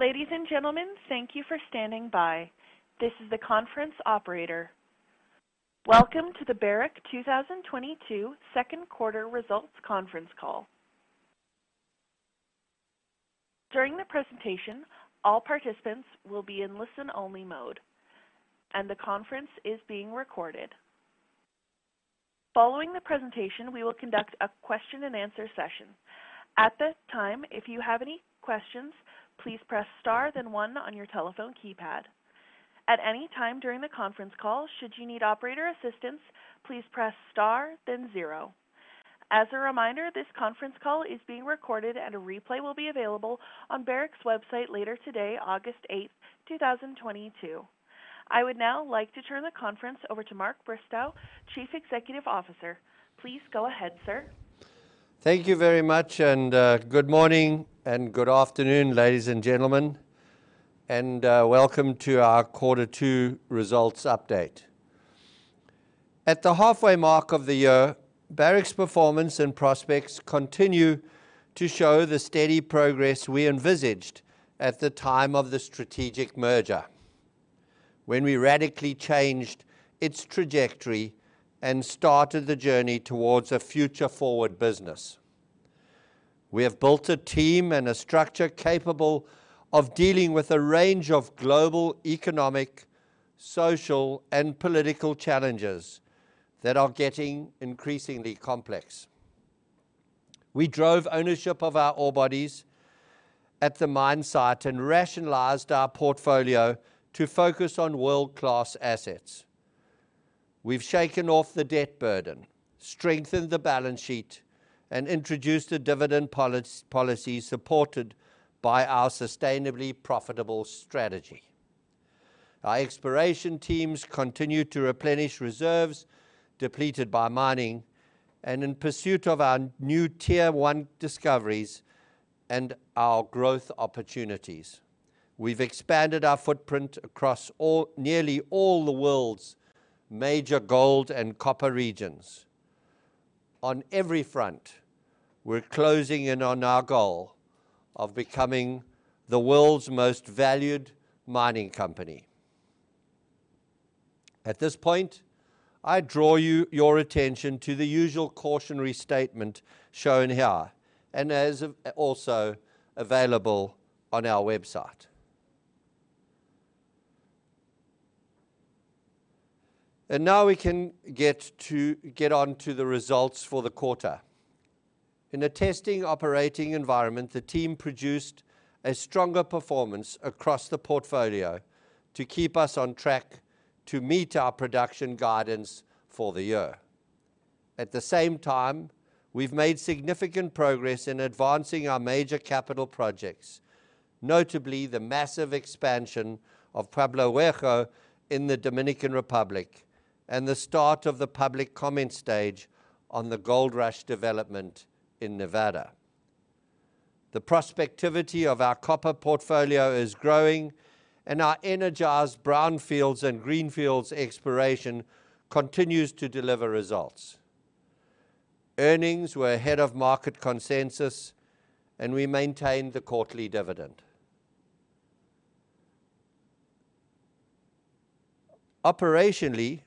Ladies and gentlemen, thank you for standing by. This is the conference operator. Welcome to the Barrick 2022 second quarter results conference call. During the presentation, all participants will be in listen-only mode, and the conference is being recorded. Following the presentation, we will conduct a question-and-answer session. At this time, if you have any questions, please press star then one on your telephone keypad. At any time during the conference call, should you need operator assistance, please press star then zero. As a reminder, this conference call is being recorded, and a replay will be available on Barrick's website later today, August 8th, 2022. I would now like to turn the conference over to Mark Bristow, Chief Executive Officer. Please go ahead, sir. Thank you very much, and good morning and good afternoon, ladies and gentlemen, and welcome to our Quarter Two results update. At the halfway mark of the year, Barrick's performance and prospects continue to show the steady progress we envisaged at the time of the strategic merger when we radically changed its trajectory and started the journey towards a future-forward business. We have built a team and a structure capable of dealing with a range of global economic, social, and political challenges that are getting increasingly complex. We drove ownership of our ore bodies at the mine site and rationalized our portfolio to focus on world-class assets. We've shaken off the debt burden, strengthened the balance sheet, and introduced a dividend policy supported by our sustainably profitable strategy. Our exploration teams continue to replenish reserves depleted by mining and in pursuit of our new Tier 1 discoveries and our growth opportunities. We've expanded our footprint across nearly all the world's major gold and copper regions. On every front, we're closing in on our goal of becoming the world's most valued mining company. At this point, I draw your attention to the usual cautionary statement shown here and is also available on our website. Now we can get on to the results for the quarter. In a testing operating environment, the team produced a stronger performance across the portfolio to keep us on track to meet our production guidance for the year. At the same time, we've made significant progress in advancing our major capital projects, notably the massive expansion of Pueblo Viejo in the Dominican Republic and the start of the public comment stage on the Goldrush development in Nevada. The prospectivity of our copper portfolio is growing, and our energized brownfields and greenfields exploration continues to deliver results. Earnings were ahead of market consensus, and we maintained the quarterly dividend. Operationally,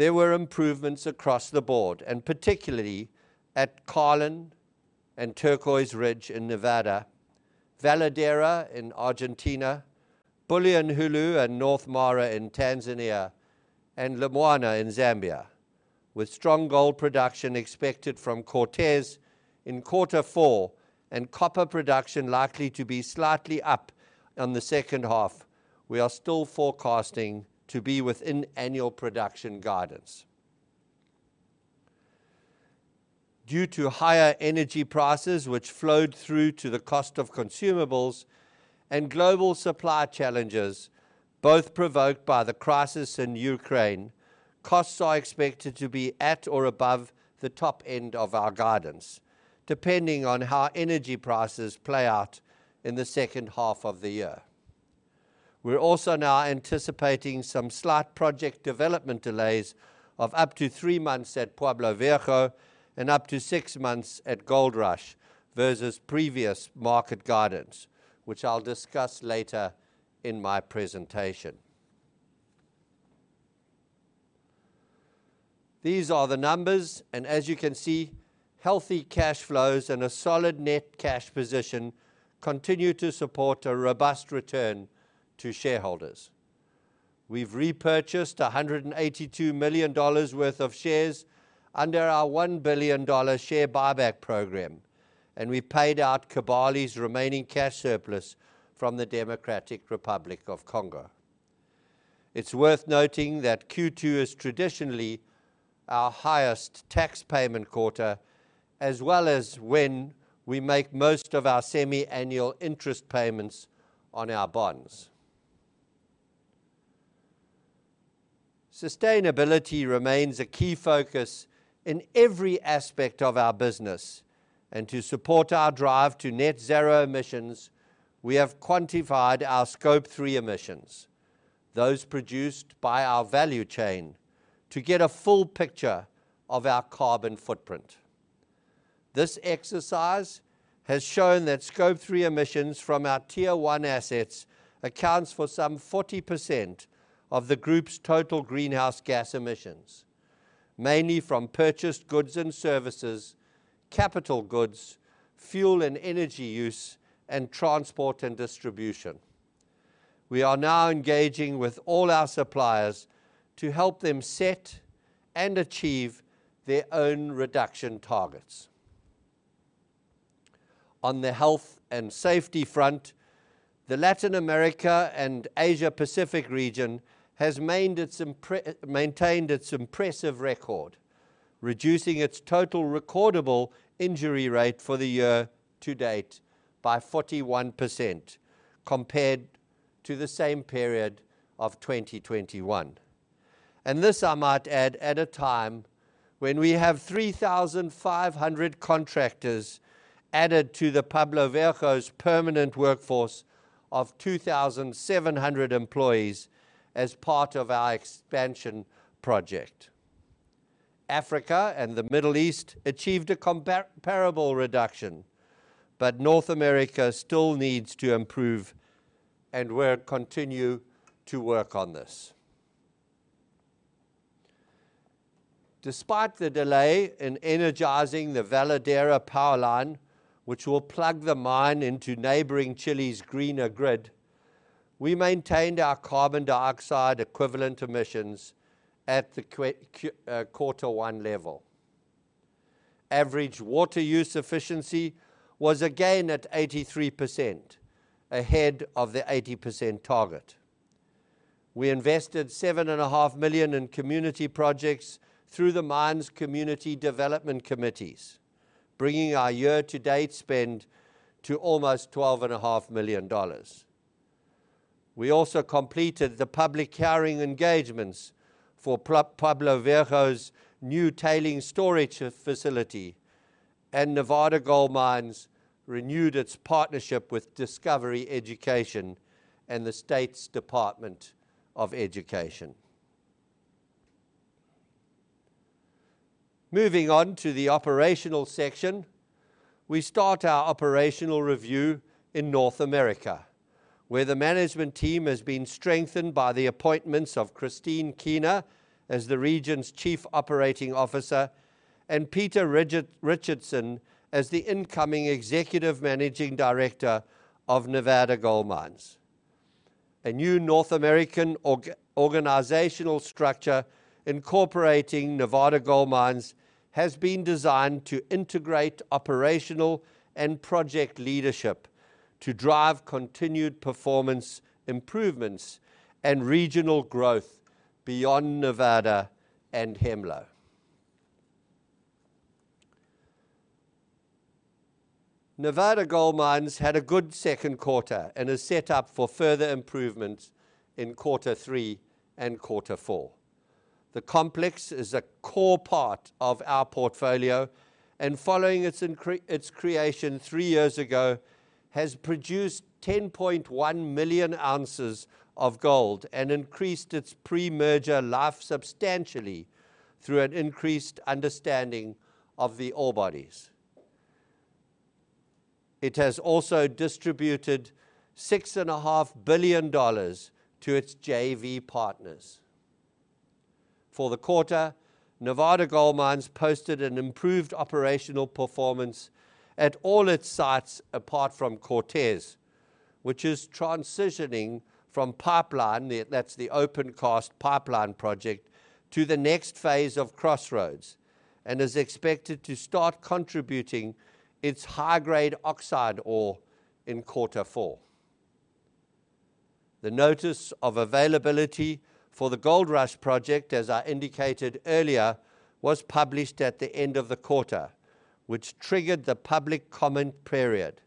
there were improvements across the board, and particularly at Carlin and Turquoise Ridge in Nevada, Veladero in Argentina, Bulyanhulu and North Mara in Tanzania, and Lumwana in Zambia. With strong gold production expected from Cortez in quarter four and copper production likely to be slightly up in the second half, we are still forecasting to be within annual production guidance. Due to higher energy prices which flowed through to the cost of consumables and global supply challenges, both provoked by the crisis in Ukraine, costs are expected to be at or above the top end of our guidance, depending on how energy prices play out in the second half of the year. We're also now anticipating some slight project development delays of up to three months at Pueblo Viejo and up to six months at Goldrush versus previous market guidance, which I'll discuss later in my presentation. These are the numbers, and as you can see, healthy cash flows and a solid net cash position continue to support a robust return to shareholders. We've repurchased $182 million worth of shares under our $1 billion share buyback program, and we paid out Kibali's remaining cash surplus from the Democratic Republic of Congo. It's worth noting that Q2 is traditionally our highest tax payment quarter as well as when we make most of our semi-annual interest payments on our bonds. Sustainability remains a key focus in every aspect of our business. To support our drive to net zero emissions, we have quantified our Scope 3 emissions, those produced by our value chain to get a full picture of our carbon footprint. This exercise has shown that Scope 3 emissions from our Tier 1 assets accounts for some 40% of the group's total greenhouse gas emissions, mainly from purchased goods and services, capital goods, fuel and energy use, and transport and distribution. We are now engaging with all our suppliers to help them set and achieve their own reduction targets. On the health and safety front, the Latin America and Asia Pacific region has maintained its impressive record, reducing its total recordable injury rate for the year to date by 41% compared to the same period of 2021. This, I might add, at a time when we have 3,500 contractors added to the Pueblo Viejo's permanent workforce of 2,700 employees as part of our expansion project. Africa and the Middle East achieved a comparable reduction, but North America still needs to improve, and we'll continue to work on this. Despite the delay in energizing the Veladero power line, which will plug the mine into neighboring Chile's greener grid, we maintained our carbon dioxide equivalent emissions at the quarter one level. Average water use efficiency was again at 83%, ahead of the 80% target. We invested $7.5 million in community projects through the mine's community development committees, bringing our year-to-date spend to almost $12.5 million. We also completed the public hearing engagements for Pueblo Viejo's new tailings storage facility, and Nevada Gold Mines renewed its partnership with Discovery Education and the Nevada Department of Education. Moving on to the operational section, we start our operational review in North America, where the management team has been strengthened by the appointments of Christine Keener as the region's Chief Operating Officer and Peter Richardson as the incoming Executive Managing Director of Nevada Gold Mines. A new North American organizational structure incorporating Nevada Gold Mines has been designed to integrate operational and project leadership to drive continued performance improvements and regional growth beyond Nevada and Hemlo. Nevada Gold Mines had a good second quarter and is set up for further improvements in quarter three and quarter four. The complex is a core part of our portfolio, and following its creation three years ago, has produced 10.1 million ounces of gold and increased its pre-merger life substantially through an increased understanding of the ore bodies. It has also distributed $6.5 billion to its JV partners. For the quarter, Nevada Gold Mines posted an improved operational performance at all its sites apart from Cortez, which is transitioning from Pipeline, that's the open cast Pipeline project, to the next phase of Crossroads and is expected to start contributing its high-grade oxide ore in quarter four. The notice of availability for the Gold Rush project, as I indicated earlier, was published at the end of the quarter, which triggered the public comment period.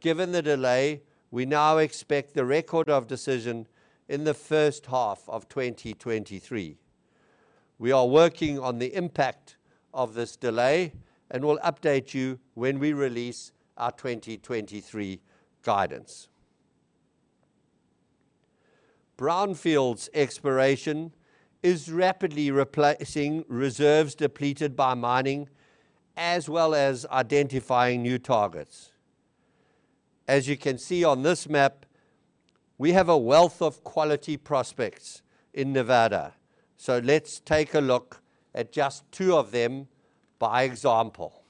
Given the delay, we now expect the Record of Decision in the first half of 2023. We are working on the impact of this delay and will update you when we release our 2023 guidance. Brownfields exploration is rapidly replacing reserves depleted by mining as well as identifying new targets. As you can see on this map, we have a wealth of quality prospects in Nevada, so let's take a look at just two of them by example.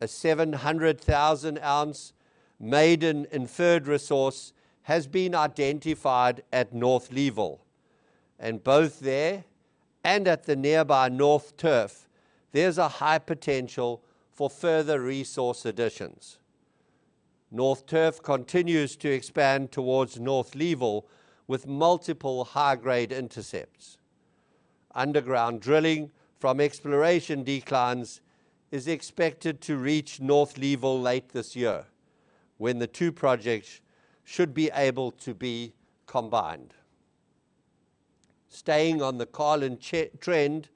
A 700,000-ounce maiden inferred resource has been identified at North Leeville, and both there and at the nearby North Turf, there's a high potential for further resource additions. North Turf continues to expand towards North Leeville with multiple high-grade intercepts. Underground drilling from exploration declines is expected to reach North Leeville late this year, when the two projects should be able to be combined. Staying on the Carlin Trend.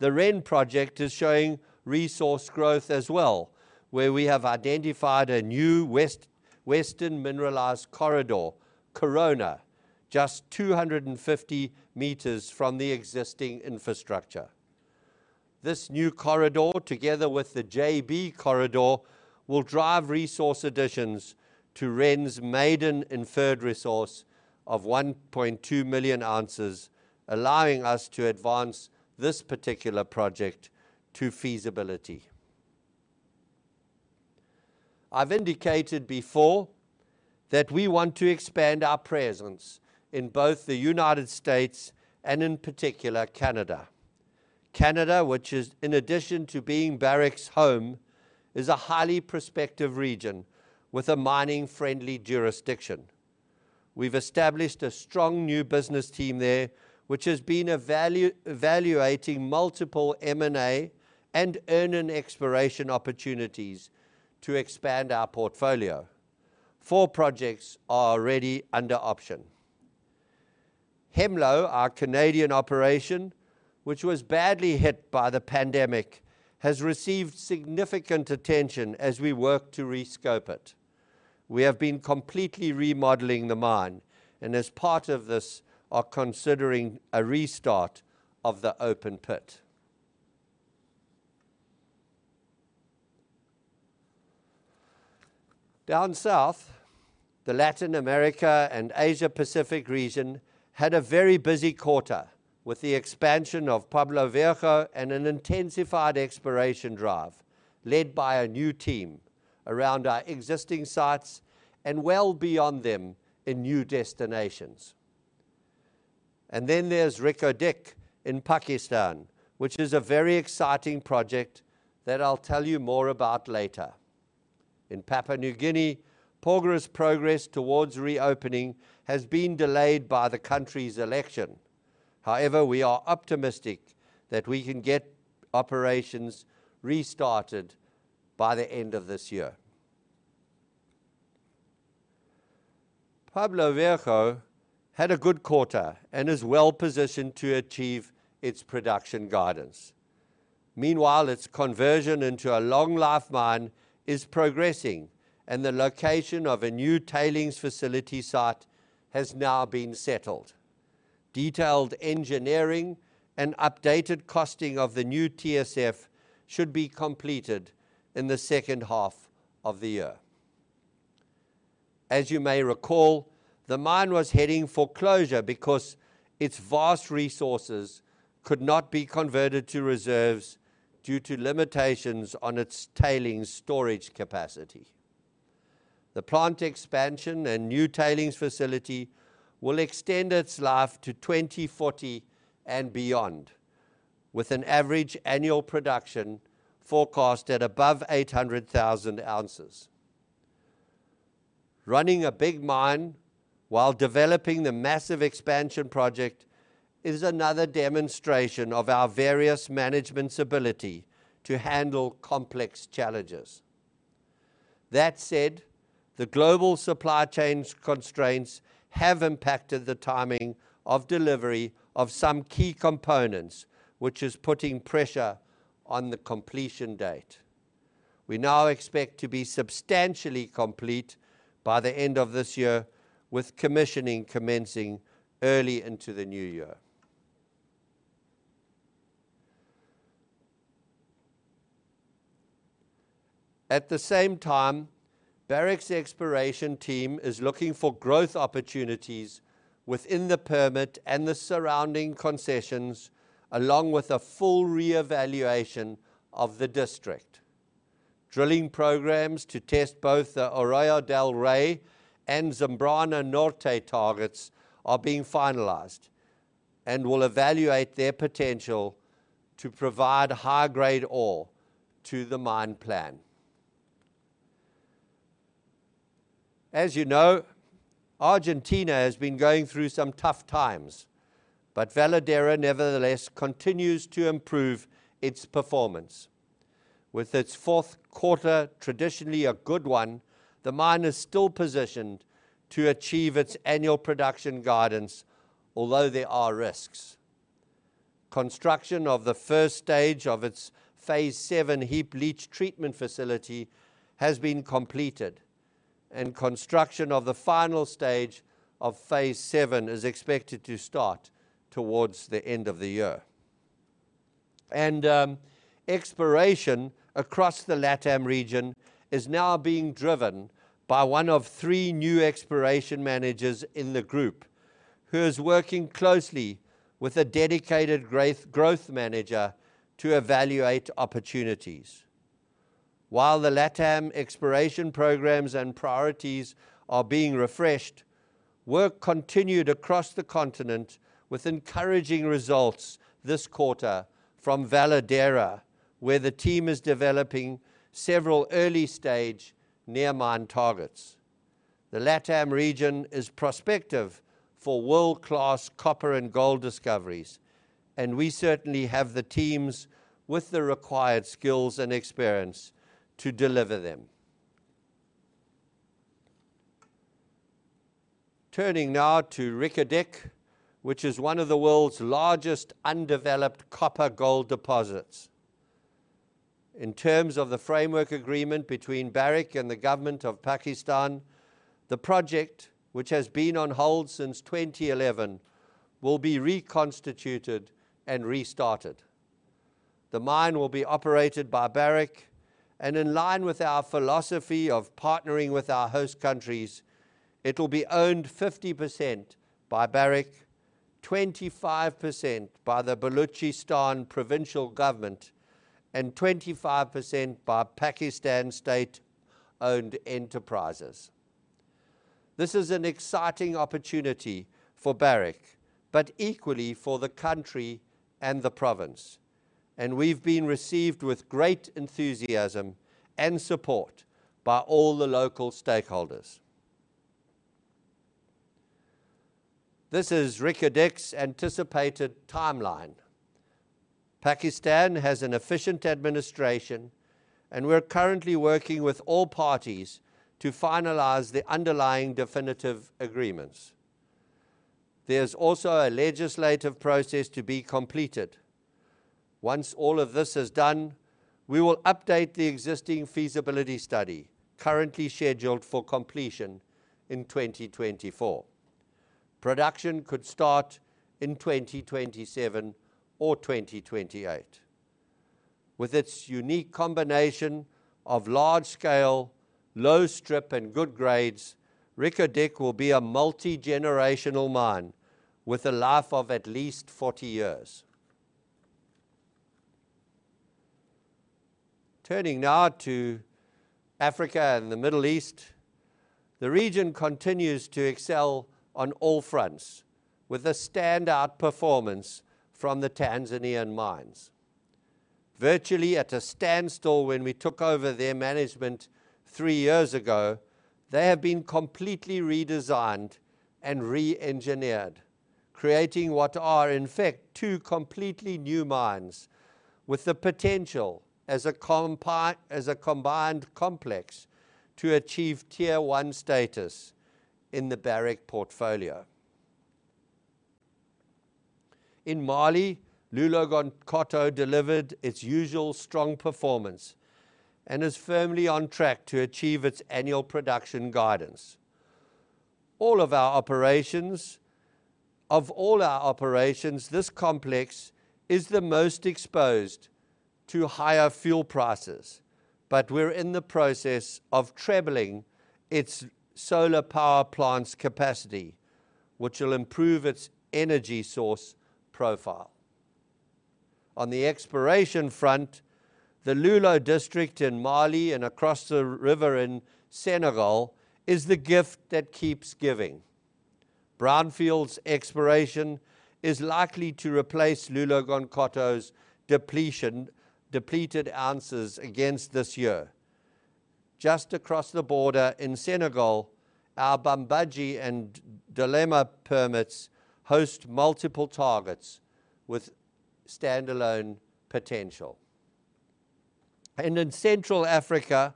The Rain project is showing resource growth as well, where we have identified a new western mineralized corridor, Corona, just 250 m from the existing infrastructure. This new corridor, together with the JB corridor, will drive resource additions to Rain's maiden inferred resource of 1.2 million ounces, allowing us to advance this particular project to feasibility. I've indicated before that we want to expand our presence in both the United States and in particular Canada. Canada, which is in addition to being Barrick's home, is a highly prospective region with a mining-friendly jurisdiction. We've established a strong new business team there which has been evaluating multiple M&A and earn-in exploration opportunities to expand our portfolio. Four projects are already under option. Hemlo, our Canadian operation, which was badly hit by the pandemic, has received significant attention as we work to rescope it. We have been completely remodeling the mine and as part of this, are considering a restart of the open pit. Down south, the Latin America and Asia Pacific region had a very busy quarter with the expansion of Pueblo Viejo and an intensified exploration drive led by a new team around our existing sites and well beyond them in new destinations. There's Reko Diq in Pakistan, which is a very exciting project that I'll tell you more about later. In Papua New Guinea, Porgera's progress towards reopening has been delayed by the country's election. However, we are optimistic that we can get operations restarted by the end of this year. Pueblo Viejo had a good quarter and is well-positioned to achieve its production guidance. Meanwhile, its conversion into a long life mine is progressing and the location of a new tailings facility site has now been settled. Detailed engineering and updated costing of the new TSF should be completed in the second half of the year. As you may recall, the mine was heading for closure because its vast resources could not be converted to reserves due to limitations on its tailings storage capacity. The plant expansion and new tailings facility will extend its life to 2040 and beyond, with an average annual production forecast at above 800,000 ounces. Running a big mine while developing the massive expansion project is another demonstration of our Barrick management's ability to handle complex challenges. That said, the global supply chain constraints have impacted the timing of delivery of some key components, which is putting pressure on the completion date. We now expect to be substantially complete by the end of this year, with commissioning commencing early into the new year. At the same time, Barrick's exploration team is looking for growth opportunities within the permit and the surrounding concessions, along with a full reevaluation of the district. Drilling programs to test both the Oro del Rey and Zambrano Norte targets are being finalized and will evaluate their potential to provide high-grade ore to the mine plan. As you know, Argentina has been going through some tough times, but Veladero nevertheless continues to improve its performance. With its fourth quarter traditionally a good one, the mine is still positioned to achieve its annual production guidance, although there are risks. Construction of the first stage of its phase VII heap leach treatment facility has been completed, and construction of the final stage of phase VII is expected to start towards the end of the year. Exploration across the LATAM region is now being driven by one of three new exploration managers in the group who is working closely with a dedicated growth manager to evaluate opportunities. While the LATAM exploration programs and priorities are being refreshed, work continued across the continent with encouraging results this quarter from Veladero, where the team is developing several early-stage near mine targets. The LATAM region is prospective for world-class copper and gold discoveries, and we certainly have the teams with the required skills and experience to deliver them. Turning now to Reko Diq, which is one of the world's largest undeveloped copper-gold deposits. In terms of the framework agreement between Barrick and the government of Pakistan, the project, which has been on hold since 2011, will be reconstituted and restarted. The mine will be operated by Barrick and in line with our philosophy of partnering with our host countries, it will be owned 50% by Barrick, 25% by the Balochistan provincial government, and 25% by Pakistan state-owned enterprises. This is an exciting opportunity for Barrick, but equally for the country and the province. We've been received with great enthusiasm and support by all the local stakeholders. This is Reko Diq's anticipated timeline. Pakistan has an efficient administration, and we're currently working with all parties to finalize the underlying definitive agreements. There's also a legislative process to be completed. Once all of this is done, we will update the existing feasibility study, currently scheduled for completion in 2024. Production could start in 2027 or 2028. With its unique combination of large scale, low strip, and good grades, Reko Diq will be a multigenerational mine with a life of at least 40 years. Turning now to Africa and the Middle East. The region continues to excel on all fronts with a standout performance from the Tanzanian mines. Virtually at a standstill when we took over their management three years ago, they have been completely redesigned and re-engineered, creating what are in fact two completely new mines with the potential as a combined complex to achieve Tier 1 status in the Barrick portfolio. In Mali, Loulo-Gounkoto delivered its usual strong performance and is firmly on track to achieve its annual production guidance. Of all our operations, this complex is the most exposed to higher fuel prices, but we're in the process of trebling its solar power plant's capacity, which will improve its energy source profile. On the exploration front, the Loulo district in Mali and across the river in Senegal is the gift that keeps giving. Brownfield's exploration is likely to replace Loulo-Gounkoto's depleted ounces this year. Just across the border in Senegal, our Bambadji and Diéma permits host multiple targets with standalone potential. In Central Africa,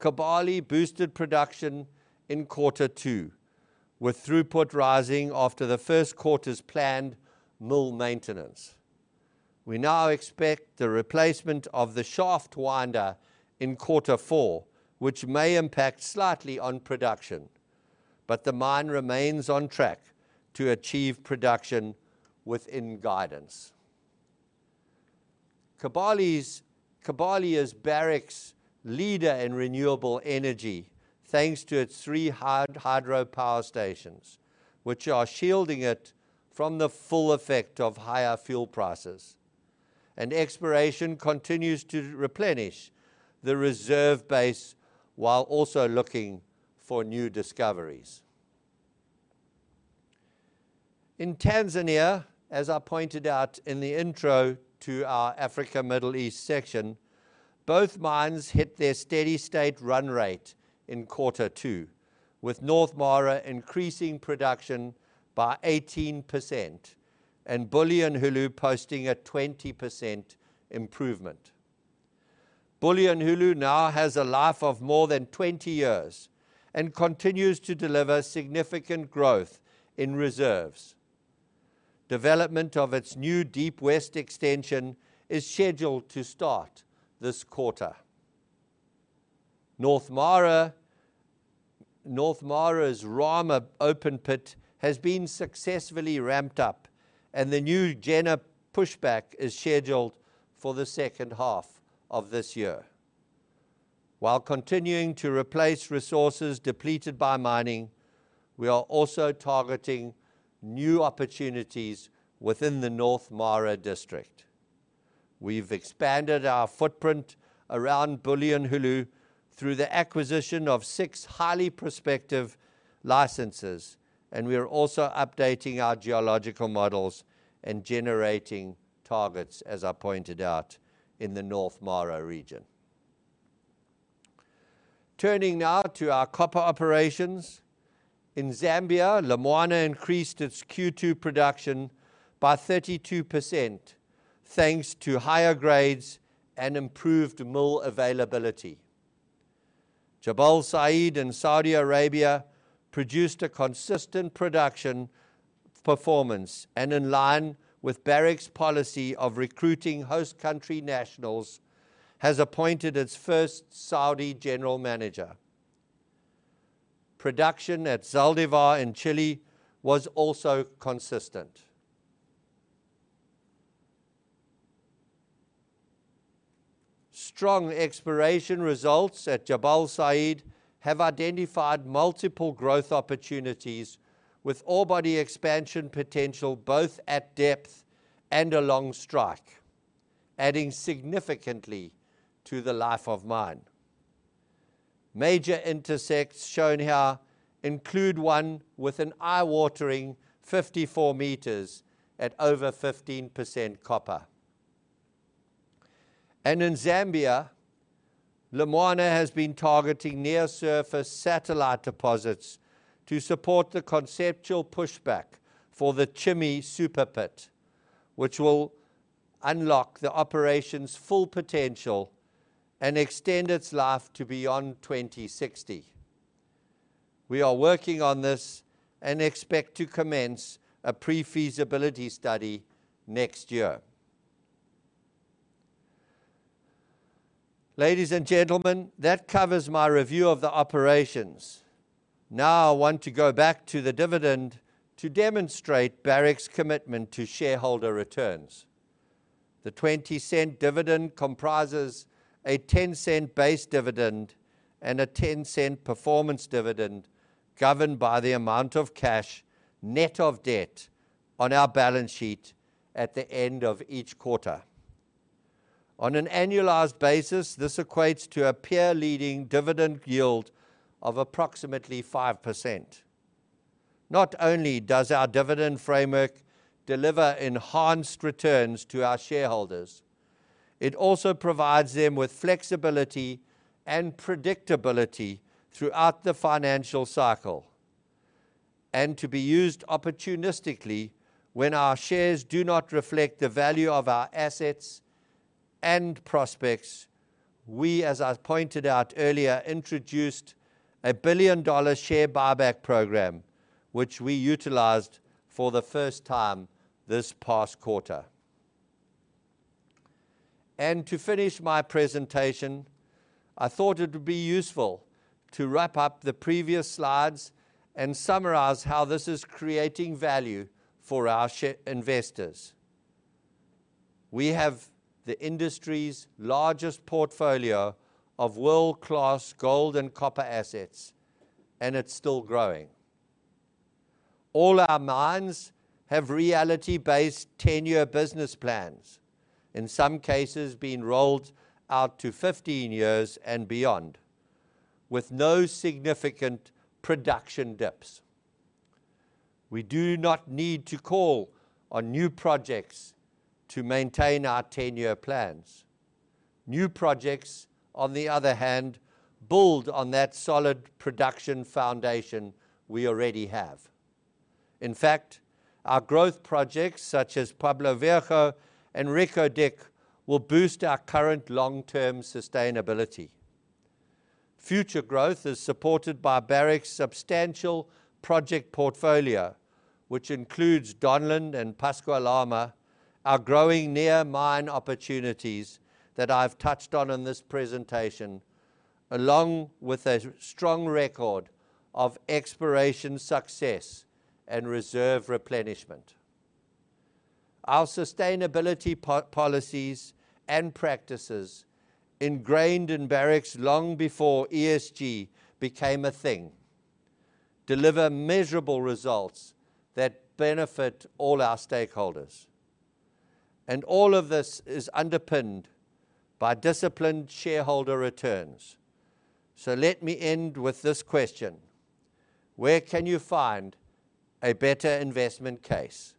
Kibali boosted production in quarter two, with throughput rising after the first quarter's planned mill maintenance. We now expect the replacement of the shaft winder in quarter four, which may impact slightly on production, but the mine remains on track to achieve production within guidance. Kibali is Barrick's leader in renewable energy thanks to its three hydropower stations, which are shielding it from the full effect of higher fuel prices. Exploration continues to replenish the reserve base while also looking for new discoveries. In Tanzania, as I pointed out in the intro to our Africa/Middle East section, both mines hit their steady state run rate in quarter two, with North Mara increasing production by 18% and Bulyanhulu posting a 20% improvement. Bulyanhulu now has a life of more than 20 years and continues to deliver significant growth in reserves. Development of its new Deep West Extension is scheduled to start this quarter. North Mara's Rama open pit has been successfully ramped up and the new Gena pushback is scheduled for the second half of this year. While continuing to replace resources depleted by mining, we are also targeting new opportunities within the North Mara district. We've expanded our footprint around Bulyanhulu through the acquisition of six highly prospective licenses, and we are also updating our geological models and generating targets, as I pointed out, in the North Mara region. Turning now to our copper operations. In Zambia, Lumwana increased its Q2 production by 32%, thanks to higher grades and improved mill availability. Jabal Sayid in Saudi Arabia produced a consistent production performance and, in line with Barrick's policy of recruiting host country nationals, has appointed its first Saudi general manager. Production at Zaldivar in Chile was also consistent. Strong exploration results at Jabal Sayid have identified multiple growth opportunities with ore body expansion potential, both at depth and along strike, adding significantly to the life of mine. Major intersects shown here include one with an eye-watering 54 meters at over 15% copper. In Zambia, Lumwana has been targeting near-surface satellite deposits to support the conceptual pushback for the Chimiwungo Super Pit, which will unlock the operation's full potential and extend its life to beyond 2060. We are working on this and expect to commence a pre-feasibility study next year. Ladies and gentlemen, that covers my review of the operations. Now I want to go back to the dividend to demonstrate Barrick's commitment to shareholder returns. The $0.20 dividend comprises a $0.10 base dividend and a $0.10 performance dividend governed by the amount of cash, net of debt, on our balance sheet at the end of each quarter. On an annualized basis, this equates to a peer-leading dividend yield of approximately 5%. Not only does our dividend framework deliver enhanced returns to our shareholders, it also provides them with flexibility and predictability throughout the financial cycle. To be used opportunistically when our shares do not reflect the value of our assets and prospects, we, as I pointed out earlier, introduced a $1 billion share buyback program, which we utilized for the first time this past quarter. To finish my presentation, I thought it would be useful to wrap up the previous slides and summarize how this is creating value for our investors. We have the industry's largest portfolio of world-class gold and copper assets, and it's still growing. All our mines have reality-based 10-year business plans, in some cases being rolled out to 15 years and beyond, with no significant production dips. We do not need to call on new projects to maintain our 10-year plans. New projects, on the other hand, build on that solid production foundation we already have. In fact, our growth projects, such as Pueblo Viejo and Reko Diq, will boost our current long-term sustainability. Future growth is supported by Barrick's substantial project portfolio, which includes Donlin and Pascua Lama, our growing near mine opportunities that I've touched on in this presentation, along with a strong record of exploration success and reserve replenishment. Our sustainability policies and practices, ingrained in Barrick's long before ESG became a thing, deliver measurable results that benefit all our stakeholders. All of this is underpinned by disciplined shareholder returns. Let me end with this question: Where can you find a better investment case?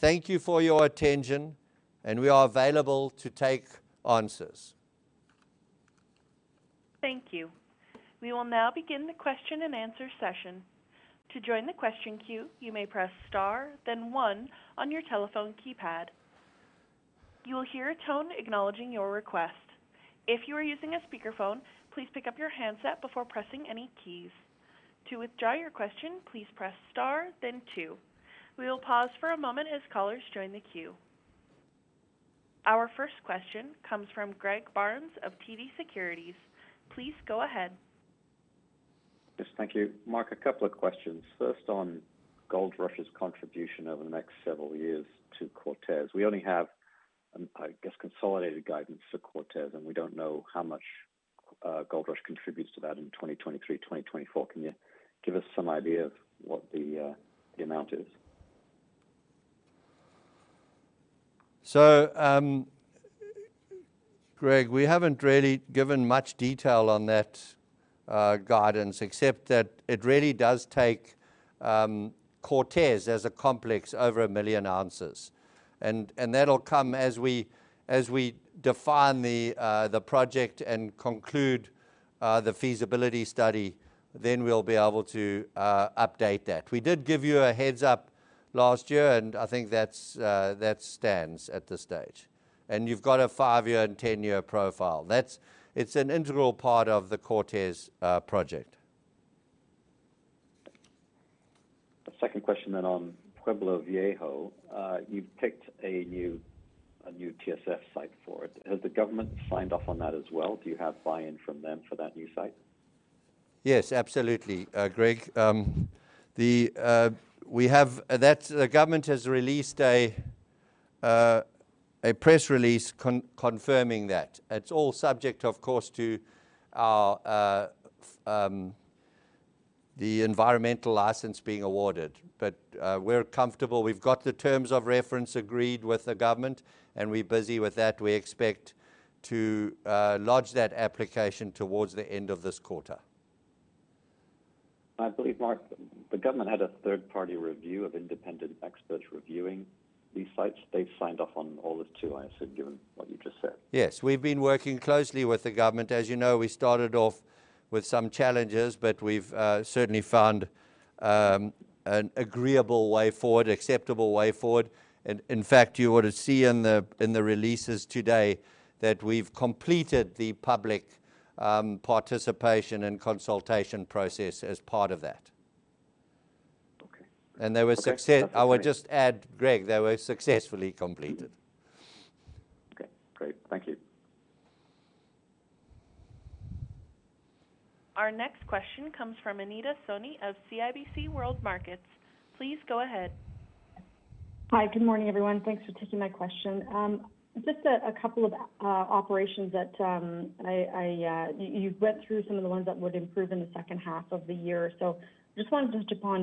Thank you for your attention, and we are available to take answers. Thank you. We will now begin the question-and-answer session. To join the question queue, you may press star then one on your telephone keypad. You will hear a tone acknowledging your request. If you are using a speakerphone, please pick up your handset before pressing any keys. To withdraw your question, please press star then two. We will pause for a moment as callers join the queue. Our first question comes from Greg Barnes of TD Securities. Please go ahead. Yes, thank you. Mark, a couple of questions. First, on Goldrush's contribution over the next several years to Cortez. We only have, I guess, consolidated guidance for Cortez, and we don't know how much Goldrush contributes to that in 2023, 2024. Can you give us some idea of what the amount is? Greg, we haven't really given much detail on that guidance, except that it really does take Cortez as a complex over 1 million ounces. That'll come as we define the project and conclude the feasibility study, then we'll be able to update that. We did give you a heads up last year, and I think that's, that stands at this stage. You've got a five-year and 10-year profile. That's, it's an integral part of the Cortez project. A second question on Pueblo Viejo. You've picked a new TSF site for it. Has the government signed off on that as well? Do you have buy-in from them for that new site? Yes, absolutely. Greg, the government has released a press release confirming that. It's all subject, of course, to our environmental license being awarded. We're comfortable. We've got the terms of reference agreed with the government, and we're busy with that. We expect to lodge that application towards the end of this quarter. I believe, Mark, the government had a third-party review of independent experts reviewing these sites. They've signed off on all of two, I assume, given what you just said. Yes. We've been working closely with the government. As you know, we started off with some challenges, but we've certainly found an agreeable way forward, acceptable way forward. In fact, you ought to see in the releases today that we've completed the public participation and consultation process as part of that. Okay. They were Okay. I would just add, Greg, they were successfully completed. Okay, great. Thank you. Our next question comes from Anita Soni of CIBC World Markets. Please go ahead. Hi. Good morning, everyone. Thanks for taking my question. Just a couple of operations that you've went through some of the ones that would improve in the second half of the year. Just wanted to touch upon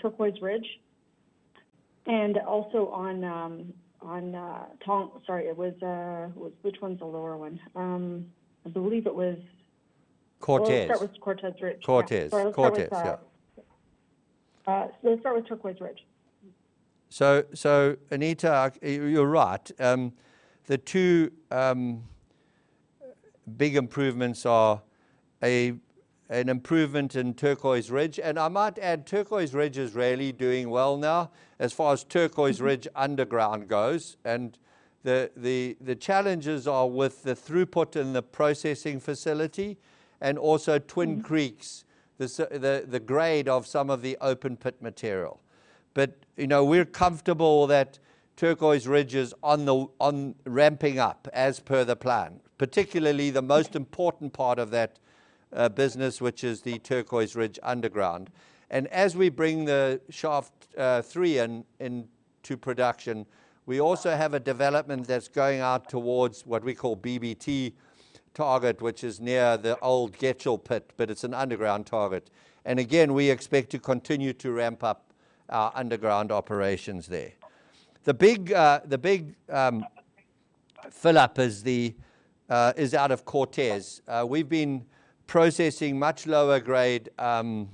Turquoise Ridge and also on which one's the lower one? I believe it was. Cortez. We'll start with Turquoise Ridge. Cortez. Sorry, let's start with. Cortez, yeah. Let's start with Turquoise Ridge. Anita, you're right. The two big improvements are an improvement in Turquoise Ridge. I might add, Turquoise Ridge is really doing well now as far as Turquoise Ridge underground goes. The challenges are with the throughput and the processing facility and also Twin Creeks, the grade of some of the open pit material. You know, we're comfortable that Turquoise Ridge is on ramping up as per the plan, particularly the most important part of that business which is the Turquoise Ridge underground. As we bring the shaft three into production, we also have a development that's going out towards what we call BBT target, which is near the old Getchell pit, but it's an underground target. Again, we expect to continue to ramp up our underground operations there. The big fill up is out of Cortez. We've been processing much lower grade open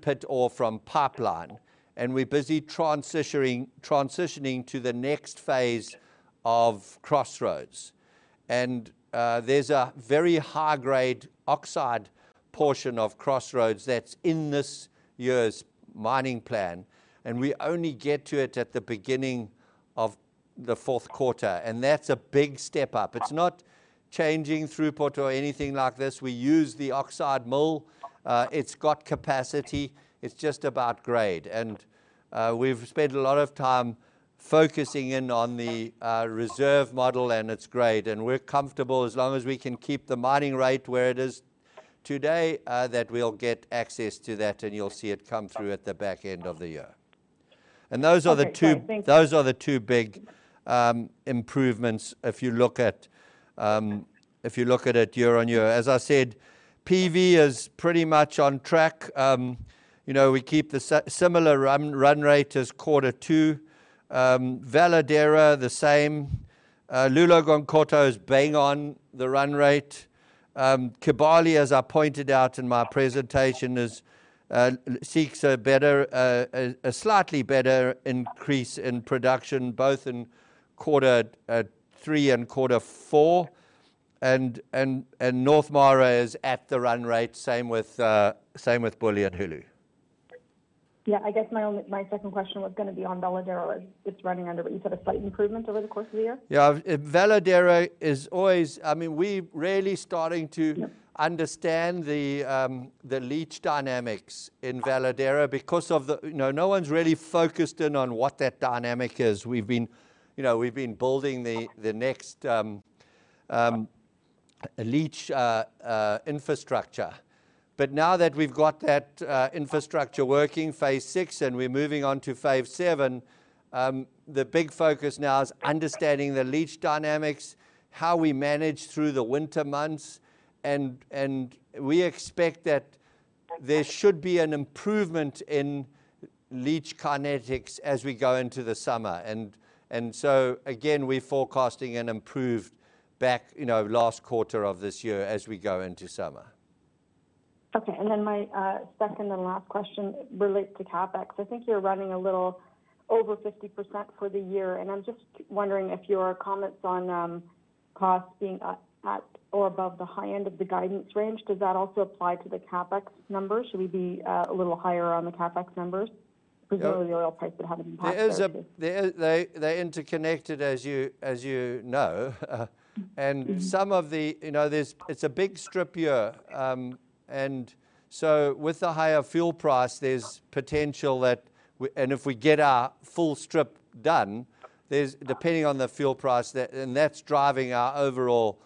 pit ore from Pipeline, and we're busy transitioning to the next phase of Crossroads. There's a very high-grade oxide portion of Crossroads that's in this year's mining plan, and we only get to it at the beginning of the fourth quarter, and that's a big step up. It's not changing throughput or anything like this. We use the oxide mill. It's got capacity. It's just about grade. We've spent a lot of time focusing in on the reserve model and its grade, and we're comfortable as long as we can keep the mining rate where it is today that we'll get access to that, and you'll see it come through at the back end of the year. Those are the two. Okay. Great. Thank you. Those are the two big improvements if you look at it year-on-year. As I said, PV is pretty much on track. You know, we keep the similar run rate as quarter two. Veladero the same. Loulo-Gounkoto is bang on the run rate. Kibali, as I pointed out in my presentation, is seeing a slightly better increase in production both in quarter three and quarter four. North Mara is at the run rate, same with Bulyanhulu. Yeah. I guess my second question was gonna be on Veladero as it's running under what you said, a slight improvement over the course of the year? Yeah. I mean, we're really starting to. Yeah. Understand the leach dynamics in Veladero because of the. You know, no one's really focused in on what that dynamic is. We've been, you know, building the next leach infrastructure. Now that we've got that infrastructure working, phase VI, and we're moving on to phase VII, the big focus now is understanding the leach dynamics, how we manage through the winter months, and we expect that there should be an improvement in leach kinetics as we go into the summer. So again, we're forecasting an improved back, you know, last quarter of this year as we go into summer. Okay. My second to last question relates to CapEx. I think you're running a little over 50% for the year, and I'm just wondering if your comments on cost being at or above the high end of the guidance range. Does that also apply to the CapEx numbers? Should we be a little higher on the CapEx numbers? Yeah. Considering the oil prices that haven't been priced there too. They're interconnected, as you know. Some of the, you know, it's a big strip year. With the higher fuel price, there's potential that. If we get our full strip done, there's, depending on the fuel price, that. That's driving our overall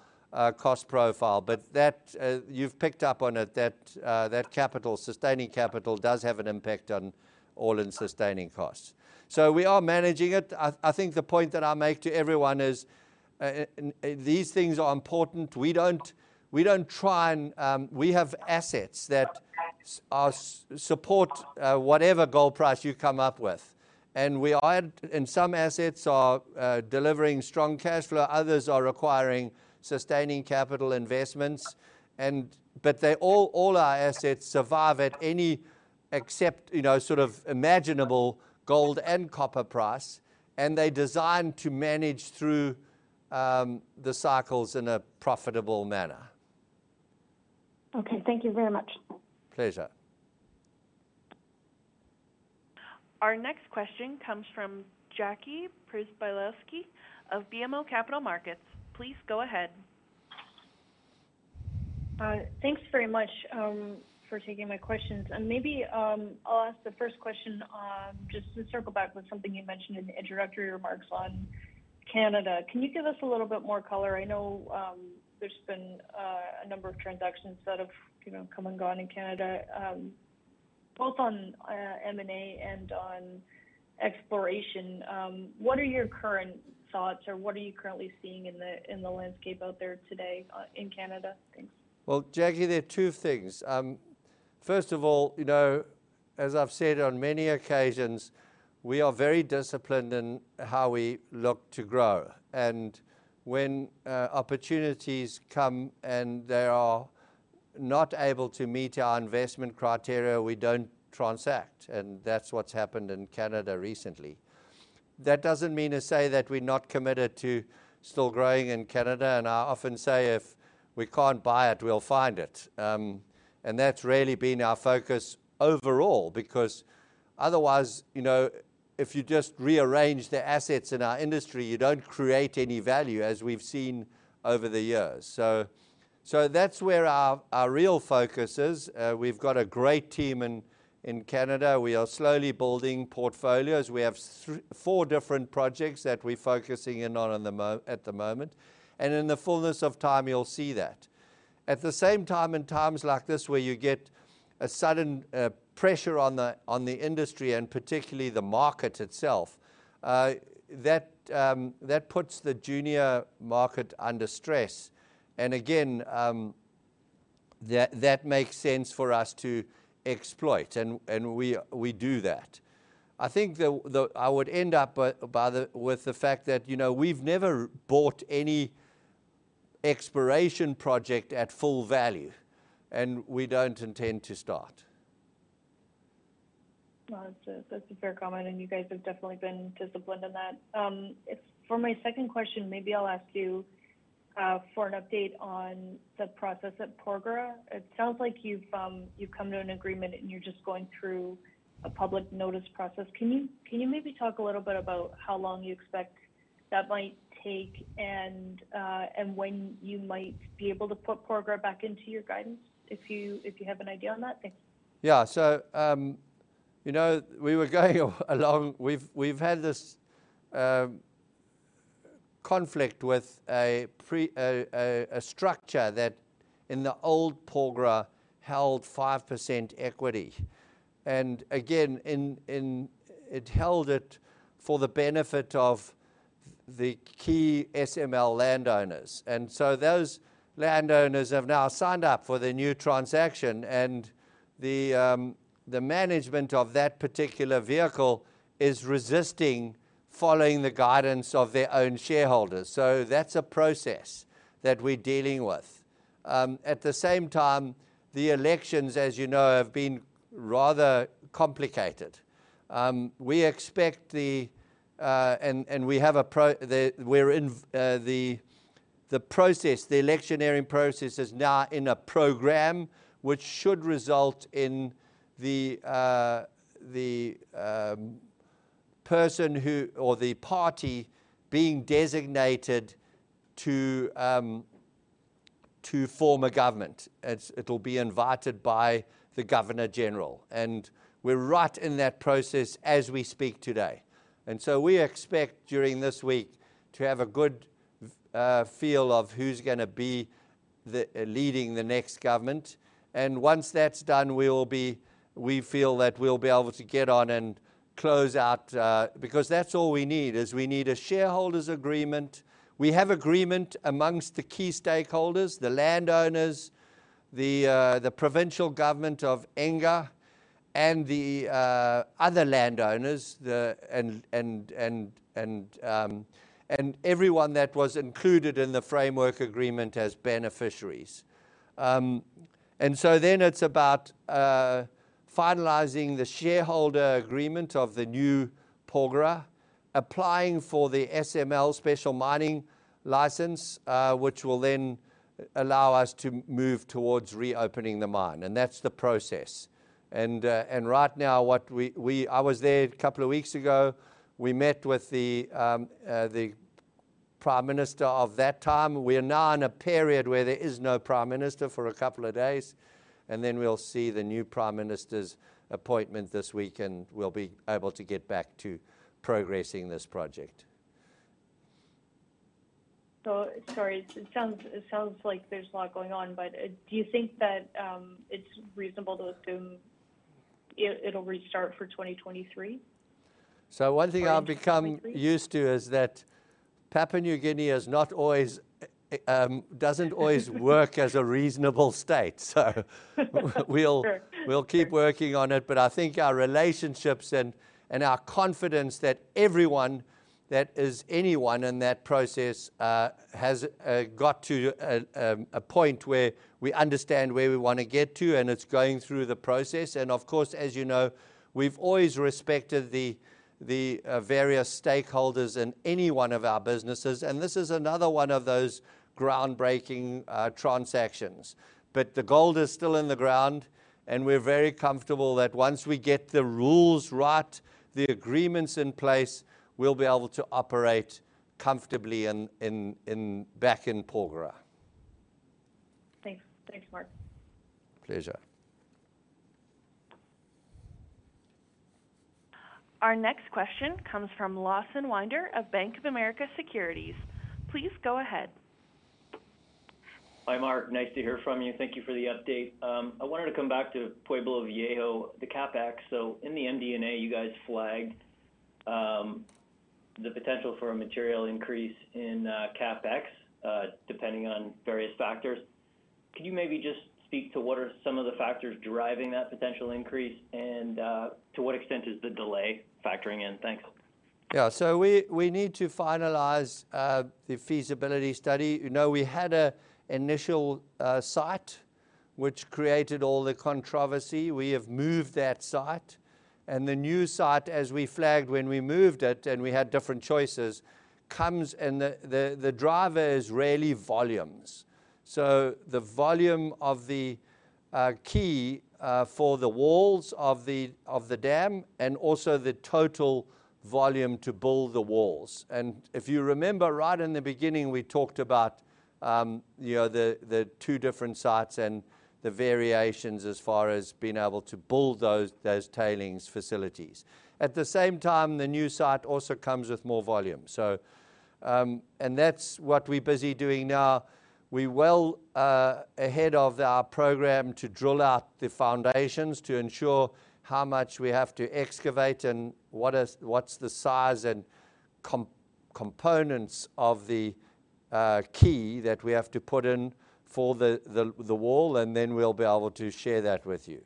cost profile. But that, you've picked up on it, that capital, sustaining capital does have an impact on all-in sustaining costs. We are managing it. I think the point that I'll make to everyone is, these things are important. We don't try and we have assets that support whatever gold price you come up with. We are, and some assets are delivering strong cash flow, others are requiring sustaining capital investments, but they all our assets survive at any except, you know, sort of imaginable gold and copper price. They're designed to manage through the cycles in a profitable manner. Okay. Thank you very much. Pleasure. Our next question comes from Jackie Przybylowski of BMO Capital Markets. Please go ahead. Thanks very much for taking my questions. Maybe I'll ask the first question on just to circle back with something you mentioned in the introductory remarks on Canada. Can you give us a little bit more color? I know there's been a number of transactions that have, you know, come and gone in Canada, both on M&A and on exploration. What are your current thoughts, or what are you currently seeing in the landscape out there today in Canada? Thanks. Well, Jackie, there are two things. First of all, you know, as I've said on many occasions, we are very disciplined in how we look to grow. When opportunities come and they are not able to meet our investment criteria, we don't transact, and that's what's happened in Canada recently. That doesn't mean to say that we're not committed to still growing in Canada. I often say, if we can't buy it, we'll find it. That's really been our focus overall, because otherwise, you know, if you just rearrange the assets in our industry, you don't create any value, as we've seen over the years. That's where our real focus is. We've got a great team in Canada. We are slowly building portfolios. We have four different projects that we're focusing in on at the moment. In the fullness of time, you'll see that. At the same time, in times like this, where you get a sudden pressure on the industry and particularly the market itself, that puts the junior market under stress. Again, that makes sense for us to exploit, and we do that. I think I would end up with the fact that, you know, we've never bought any exploration project at full value, and we don't intend to start. Well, that's a fair comment, and you guys have definitely been disciplined in that. For my second question, maybe I'll ask you for an update on the process at Porgera. It sounds like you've come to an agreement and you're just going through a public notice process. Can you maybe talk a little bit about how long you expect that might take and when you might be able to put Porgera back into your guidance, if you have an idea on that? Thanks. Yeah. You know, we were going along. We've had this conflict with a structure that in the old Porgera held 5% equity. Again, it held it for the benefit of the key SML landowners. Those landowners have now signed up for the new transaction and the management of that particular vehicle is resisting following the guidance of their own shareholders. That's a process that we're dealing with. At the same time, the elections, as you know, have been rather complicated. We expect, and we have a process. The electioneering process is now in a program which should result in the person who or the party being designated to form a government. It'll be invited by the governor general. We're right in that process as we speak today. We expect during this week to have a good feel of who's gonna be leading the next government. Once that's done, we feel that we'll be able to get on and close out, because that's all we need, is we need a shareholders agreement. We have agreement amongst the key stakeholders, the landowners, the provincial government of Enga and the other landowners, and everyone that was included in the framework agreement as beneficiaries. It's about finalizing the shareholder agreement of the new Porgera, applying for the SML, Special Mining License, which will then allow us to move towards reopening the mine. That's the process. Right now, I was there a couple of weeks ago. We met with the prime minister of that time. We are now in a period where there is no prime minister for a couple of days, and then we'll see the new prime minister's appointment this week, and we'll be able to get back to progressing this project. Sorry. It sounds like there's a lot going on, but do you think that it's reasonable to assume it'll restart for 2023? One thing. 2023. I've become used to is that Papua New Guinea doesn't always work as a reasonable state. Sure. We'll keep working on it. I think our relationships and our confidence that everyone that is anyone in that process has got to a point where we understand where we wanna get to, and it's going through the process. Of course, as you know, we've always respected the various stakeholders in any one of our businesses, and this is another one of those groundbreaking transactions. The gold is still in the ground, and we're very comfortable that once we get the rules right, the agreements in place, we'll be able to operate comfortably back in Porgera. Thanks. Thanks, Mark. Pleasure. Our next question comes from Lawson Winder of Bank of America Securities. Please go ahead. Hi, Mark. Nice to hear from you. Thank you for the update. I wanted to come back to Pueblo Viejo, the CapEx. In the MD&A, you guys flagged the potential for a material increase in CapEx, depending on various factors. Could you maybe just speak to what are some of the factors driving that potential increase and to what extent is the delay factoring in? Thanks. Yeah. We need to finalize the feasibility study. You know, we had an initial site which created all the controversy. We have moved that site, and the new site, as we flagged when we moved it and we had different choices, comes and the driver is really volumes. The volume of the key for the walls of the dam and also the total volume to build the walls. If you remember right in the beginning, we talked about, you know, the two different sites and the variations as far as being able to build those tailings facilities. At the same time, the new site also comes with more volume. That's what we're busy doing now. We're well ahead of our program to drill out the foundations to ensure how much we have to excavate and what's the size and components of the key that we have to put in for the wall, and then we'll be able to share that with you.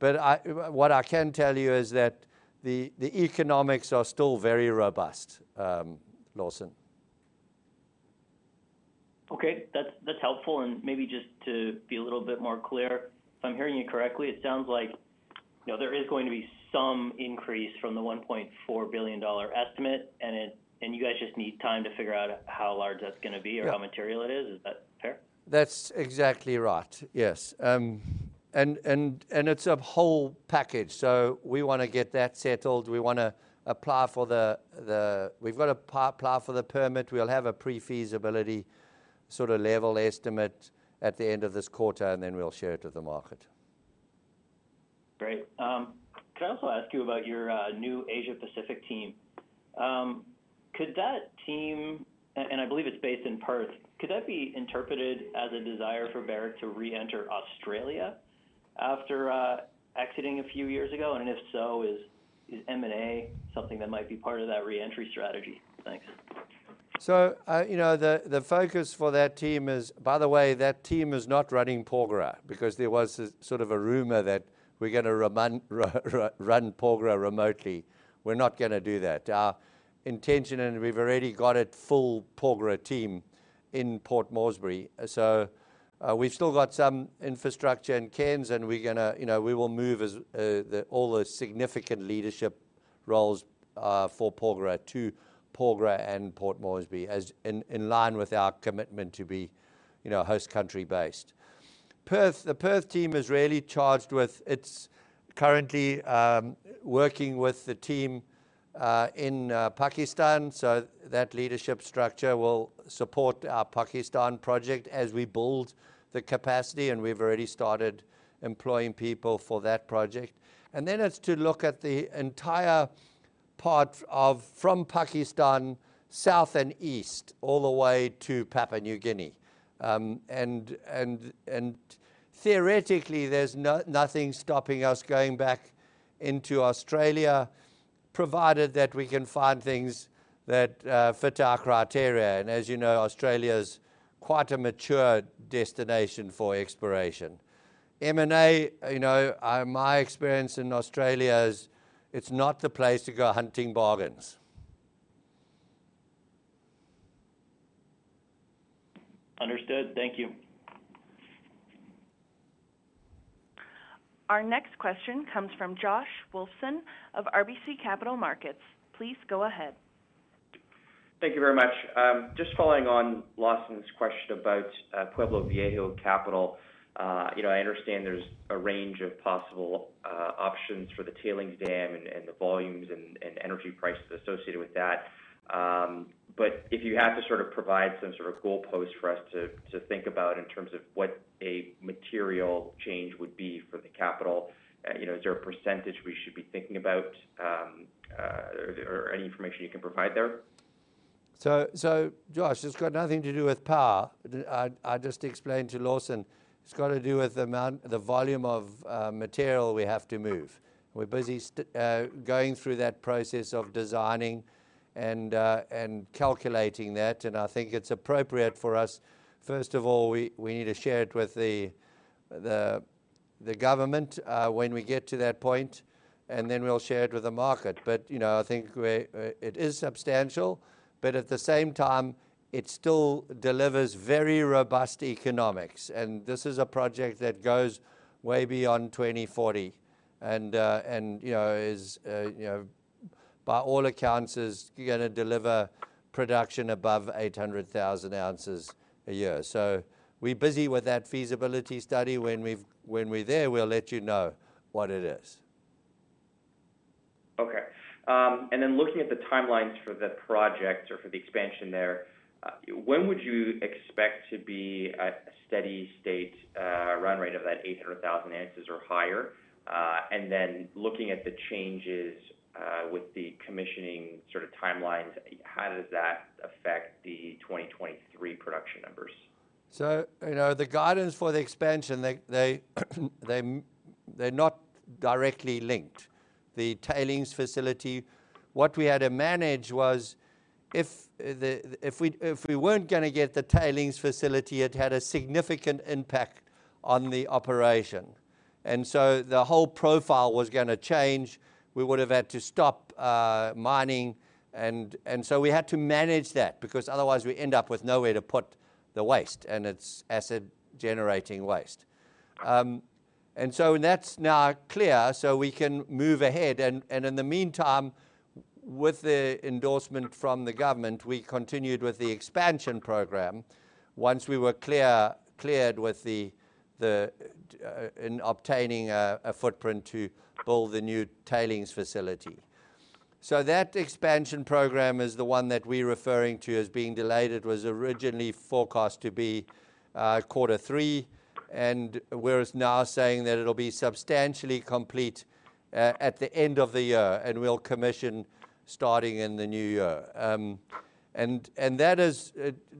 What I can tell you is that the economics are still very robust, Lawson. Okay. That's helpful. Maybe just to be a little bit more clear, if I'm hearing you correctly, it sounds like, you know, there is going to be some increase from the $1.4 billion estimate, and you guys just need time to figure out how large that's gonna be. Yeah. How Material it is. Is that fair? That's exactly right. Yes. It's a whole package. We wanna get that settled. We wanna apply for the permit. We've got to apply for the permit. We'll have a pre-feasibility sort of level estimate at the end of this quarter, and then we'll share it with the market. Great. Can I also ask you about your new Asia Pacific team? Could that team, and I believe it's based in Perth, could that be interpreted as a desire for Barrick to reenter Australia after exiting a few years ago? And if so, is M&A something that might be part of that reentry strategy? Thanks. You know, the focus for that team is. By the way, that team is not running Porgera because there was sort of a rumor that we're gonna run Porgera remotely. We're not gonna do that. Our intention, and we've already got a full Porgera team in Port Moresby. We've still got some infrastructure in Cairns, and we're gonna, we will move all the significant leadership roles for Porgera to Porgera and Port Moresby in line with our commitment to be host country-based. Perth, the Perth team is really charged with. It's currently working with the team in Pakistan, so that leadership structure will support our Pakistan project as we build the capacity, and we've already started employing people for that project. It's to look at the entire part from Pakistan south and east, all the way to Papua New Guinea. Theoretically, there's nothing stopping us going back into Australia, provided that we can find things that fit our criteria. As you know, Australia's quite a mature destination for exploration. M&A, you know, my experience in Australia is it's not the place to go hunting bargains. Our next question comes from Josh Wolfson of RBC Capital Markets. Please go ahead. Thank you very much. Just following on Lawson's question about Pueblo Viejo capital. You know, I understand there's a range of possible options for the tailings dam and the volumes and energy prices associated with that. But if you had to sort of provide some sort of goalpost for us to think about in terms of what a material change would be for the capital, you know, is there a percentage we should be thinking about? Or any information you can provide there? Josh, it's got nothing to do with power. I just explained to Lawson, it's gotta do with the volume of material we have to move. We're busy going through that process of designing and calculating that, and I think it's appropriate for us. First of all, we need to share it with the government when we get to that point, and then we'll share it with the market. You know, I think we're. It is substantial, but at the same time, it still delivers very robust economics. This is a project that goes way beyond 2040 and you know, by all accounts is gonna deliver production above 800,000 ounces a year. We're busy with that feasibility study. When we're there, we'll let you know what it is. Looking at the timelines for the project or for the expansion there, when would you expect to be at a steady state run rate of that 800,000 ounces or higher? Looking at the changes with the commissioning sort of timelines, how does that affect the 2023 production numbers? You know, the guidance for the expansion, they're not directly linked. The tailings facility, what we had to manage was if we weren't gonna get the tailings facility, it had a significant impact on the operation. The whole profile was gonna change. We would have had to stop mining and so we had to manage that because otherwise we end up with nowhere to put the waste, and it's acid-generating waste. That's now clear, so we can move ahead. In the meantime, with the endorsement from the government, we continued with the expansion program once we were clear in obtaining a footprint to build the new tailings facility. That expansion program is the one that we're referring to as being delayed. It was originally forecast to be quarter three, and we're now saying that it'll be substantially complete at the end of the year, and we'll commission starting in the new year. That is,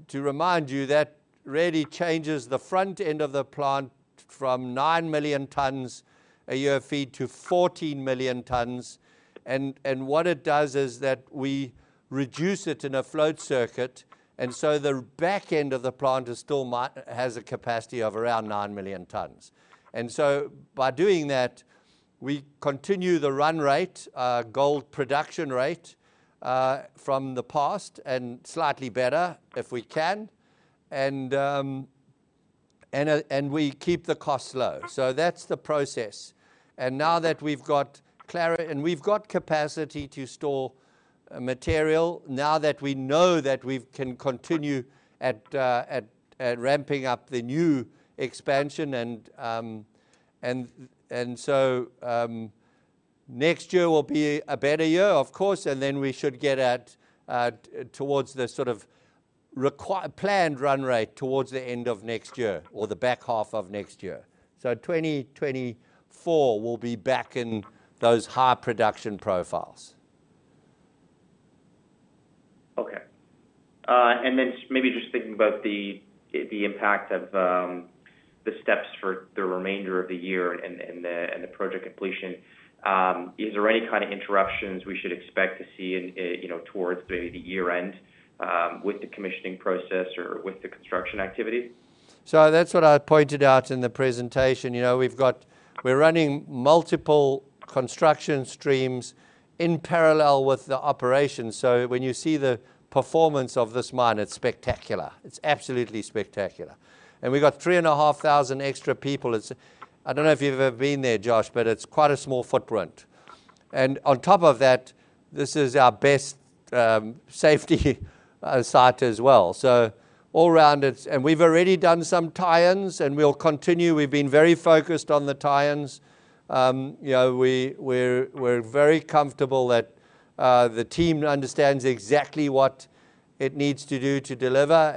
to remind you, that really changes the front end of the plant from 9 million tons a year feed to 14 million tons. What it does is that we reduce it in a flotation circuit, and so the back end of the plant still has a capacity of around 9 million tons. By doing that, we continue the run rate gold production rate from the past and slightly better if we can. We keep the costs low. That's the process. Now that we've got capacity to store material, now that we know that we can continue at ramping up the new expansion, next year will be a better year, of course. Then we should get to the sort of planned run rate towards the end of next year or the back half of next year. 2024, we'll be back in those high production profiles. Okay. Maybe just thinking about the impact of the steps for the remainder of the year and the project completion, is there any kind of interruptions we should expect to see in you know towards maybe the year end with the commissioning process or with the construction activity? That's what I pointed out in the presentation. You know, we're running multiple construction streams in parallel with the operation. When you see the performance of this mine, it's spectacular. It's absolutely spectacular. We've got 3,500 extra people. I don't know if you've ever been there, Josh, but it's quite a small footprint. On top of that, this is our best safety site as well. All round it's. We've already done some tie-ins and we'll continue. We've been very focused on the tie-ins. You know, we're very comfortable that the team understands exactly what it needs to do to deliver.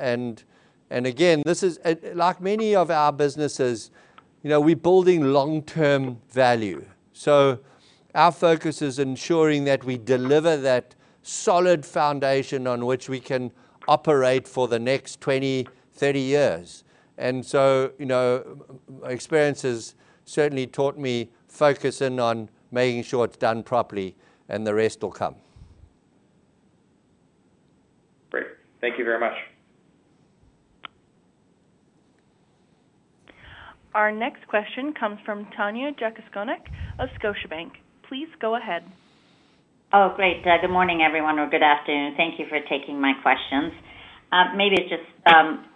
Again, this is, like many of our businesses, you know, we're building long-term value. Our focus is ensuring that we deliver that solid foundation on which we can operate for the next 20-30 years. You know, experience has certainly taught me focus in on making sure it's done properly and the rest will come. Great. Thank you very much. Our next question comes from Tanya Jakusconek of Scotiabank. Please go ahead. Oh, great. Good morning, everyone, or good afternoon. Thank you for taking my questions. Maybe it's just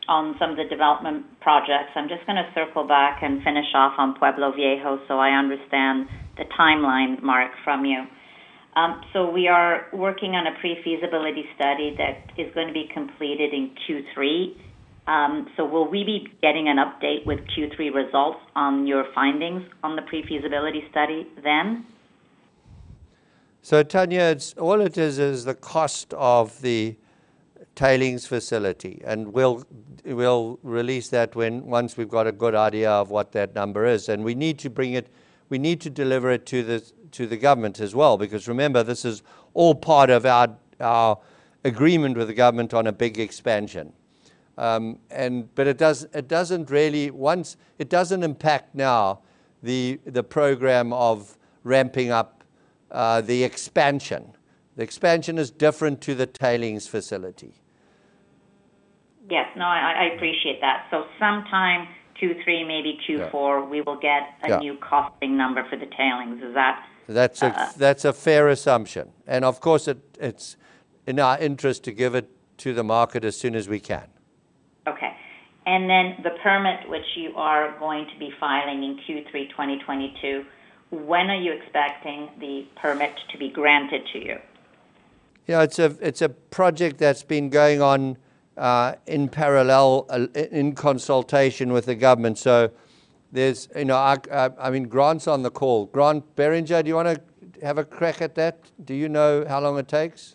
on some of the development projects. I'm just gonna circle back and finish off on Pueblo Viejo so I understand the timeline, Mark, from you. We are working on a pre-feasibility study that is gonna be completed in Q3. Will we be getting an update with Q3 results on your findings on the pre-feasibility study then? Tanya, it's all it is the cost of the tailings facility. We'll release that once we've got a good idea of what that number is. We need to deliver it to the government as well because remember, this is all part of our agreement with the government on a big expansion. It doesn't really impact the program of ramping up the expansion. The expansion is different to the tailings facility. Yes. No, I appreciate that. Sometime Q3, maybe Q4. Yeah. We will get. Yeah. A new costing number for the tailings. Is that. That's a fair assumption. Of course it's in our interest to give it to the market as soon as we can. Okay. The permit which you are going to be filing in Q3 2022, when are you expecting the permit to be granted to you? Yeah, it's a project that's been going on in parallel in consultation with the government. You know, I mean, Grant's on the call. Grant Beringer, do you wanna have a crack at that? Do you know how long it takes?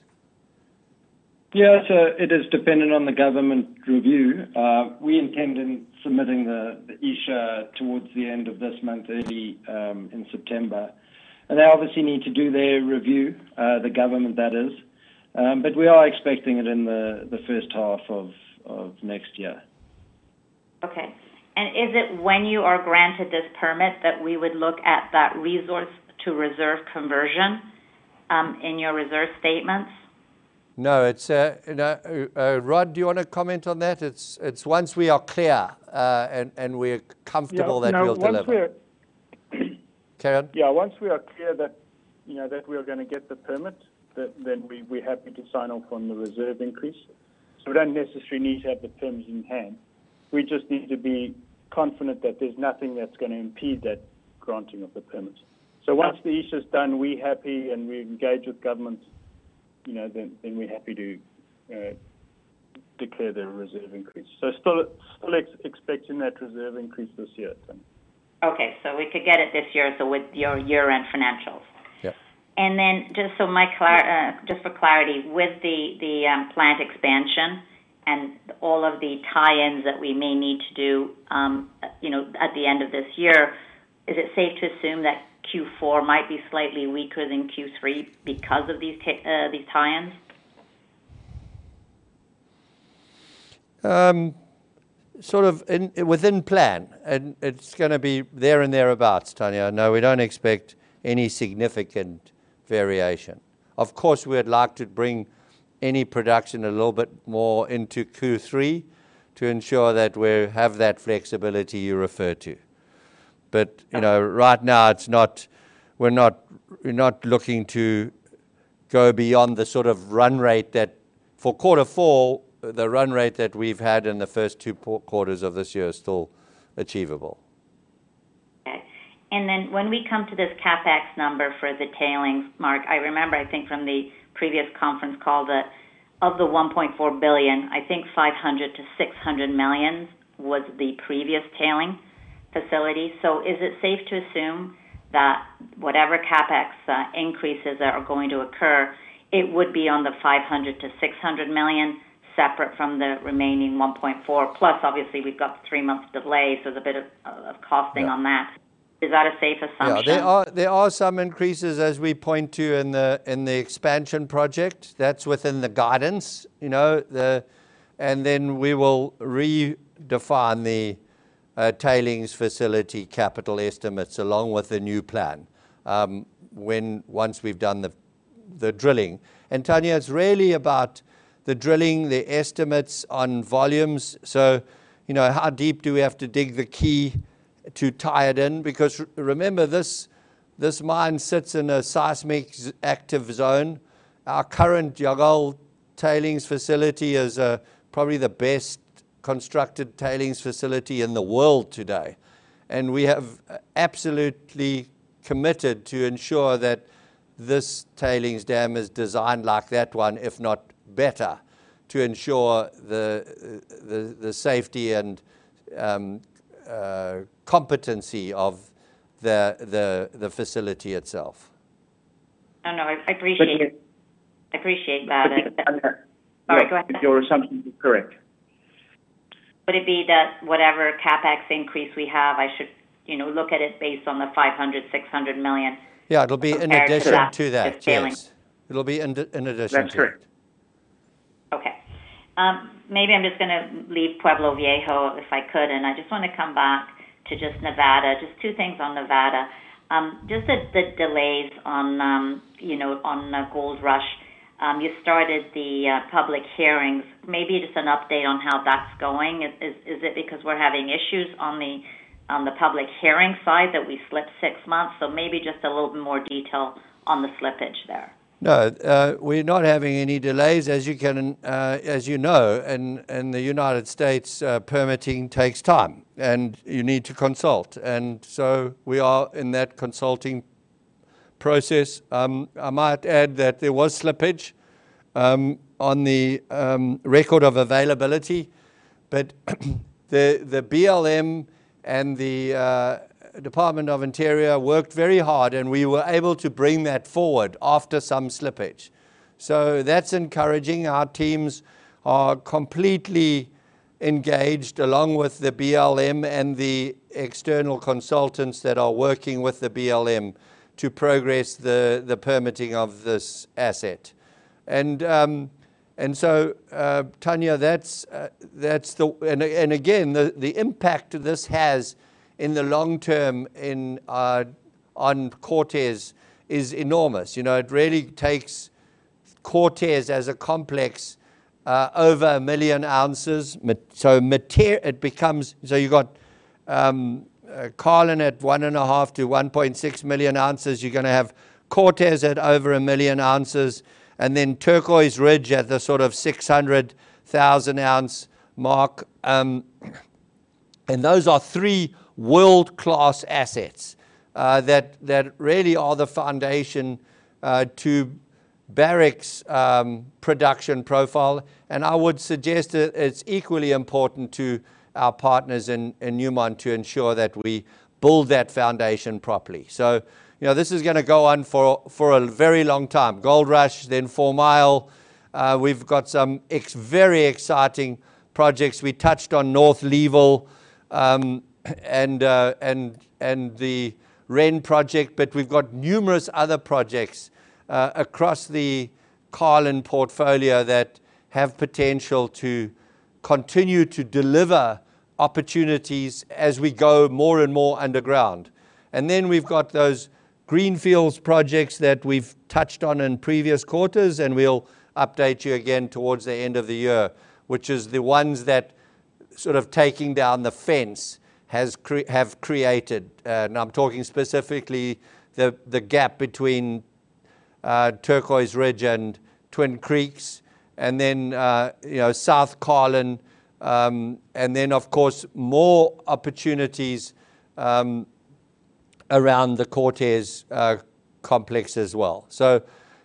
It is dependent on the government review. We intend to submit the ESIA towards the end of this month, early in September. They obviously need to do their review, the government, that is. We are expecting it in the first half of next year. Okay. Is it when you are granted this permit that we would look at that resource to reserve conversion, in your reserve statements? No. It's, you know, Rob, do you wanna comment on that? It's once we are clear, and we're comfortable that we'll deliver. Yeah. You know, once we're Carry on. Yeah. Once we are clear that, you know, that we are gonna get the permit, then we're happy to sign off on the reserve increase. We don't necessarily need to have the terms in hand. We just need to be confident that there's nothing that's gonna impede that granting of the permit. Once the issue is done, we're happy and we engage with government, you know, then we're happy to declare the reserve increase. Still expecting that reserve increase this year, Tanya. We could get it this year, so with your year-end financials. Yeah. Just for clarity, with the plant expansion and all of the tie-ins that we may need to do, you know, at the end of this year, is it safe to assume that Q4 might be slightly weaker than Q3 because of these tie-ins? Sort of within plan. It's gonna be there and thereabouts, Tanya. No, we don't expect any significant variation. Of course, we'd like to bring any production a little bit more into Q3 to ensure that we have that flexibility you refer to. You know, right now we're not looking to go beyond the sort of run rate that for quarter four, the run rate that we've had in the first two prior quarters of this year is still achievable. Okay. When we come to this CapEx number for the tailings, Mark, I remember, I think from the previous conference call that of the $1.4 billion, I think $500 million-$600 million was the previous tailings facility. Is it safe to assume that whatever CapEx increases are going to occur, it would be on the $500 million-$600 million separate from the remaining $1.4 billion+ obviously we've got three months delay, so there's a bit of costing on that. Yeah. Is that a safe assumption? Yeah. There are some increases as we point to in the expansion project. That's within the guidance. You know, then we will redefine the tailings facility capital estimates along with the new plan, once we've done the drilling. Tanya, it's really about the drilling, the estimates on volumes. You know, how deep do we have to dig the key to tie it in? Because remember, this mine sits in a seismic active zone. Our current El Llagal tailings facility is probably the best constructed tailings facility in the world today. We have absolutely committed to ensure that this tailings dam is designed like that one, if not better, to ensure the safety and competency of the facility itself. No, no, I appreciate it. But. I appreciate that. Your assumption. Oh, go ahead. Yeah. Your assumption is correct. Would it be that whatever CapEx increase we have, I should, you know, look at it based on the $500 million-$600 million? Yeah, it'll be in addition. Compared to that. To that. This tailings. Yes. It'll be in addition to it. That's correct. Okay. Maybe I'm just gonna leave Pueblo Viejo if I could, and I just wanna come back to just Nevada. Just two things on Nevada. Just the delays on, you know, on the Goldrush. You started the public hearings. Maybe just an update on how that's going. Is it because we're having issues on the public hearing side that we slipped six months? Maybe just a little bit more detail on the slippage there. No. We're not having any delays. As you know, in the United States, permitting takes time, and you need to consult. We are in that consulting process. I might add that there was slippage on the Notice of Availability. The BLM and the Department of the Interior worked very hard, and we were able to bring that forward after some slippage. That's encouraging. Our teams are completely engaged along with the BLM and the external consultants that are working with the BLM to progress the permitting of this asset. Tanya, that's the. Again, the impact this has in the long term on Cortez is enormous. You know, it really takes Cortez as a complex over 1 million ounces. You've got Carlin at 1.5 million-1.6 million ounces. You're gonna have Cortez at over a million ounces, and then Turquoise Ridge at the sort of 600,000-ounce mark. Those are three world-class assets that really are the foundation to Barrick's production profile. I would suggest it's equally important to our partners in Newmont to ensure that we build that foundation properly. You know, this is gonna go on for a very long time. Goldrush, then Fourmile. We've got some very exciting projects. We touched on North Leeville, and the Wren Project. We've got numerous other projects across the Carlin portfolio that have potential to continue to deliver opportunities as we go more and more underground. We've got those greenfields projects that we've touched on in previous quarters, and we'll update you again towards the end of the year, which is the ones that sort of taking down the fence has created. I'm talking specifically the gap between Turquoise Ridge and Twin Creeks and then you know South Carlin and then of course more opportunities around the Cortez complex as well.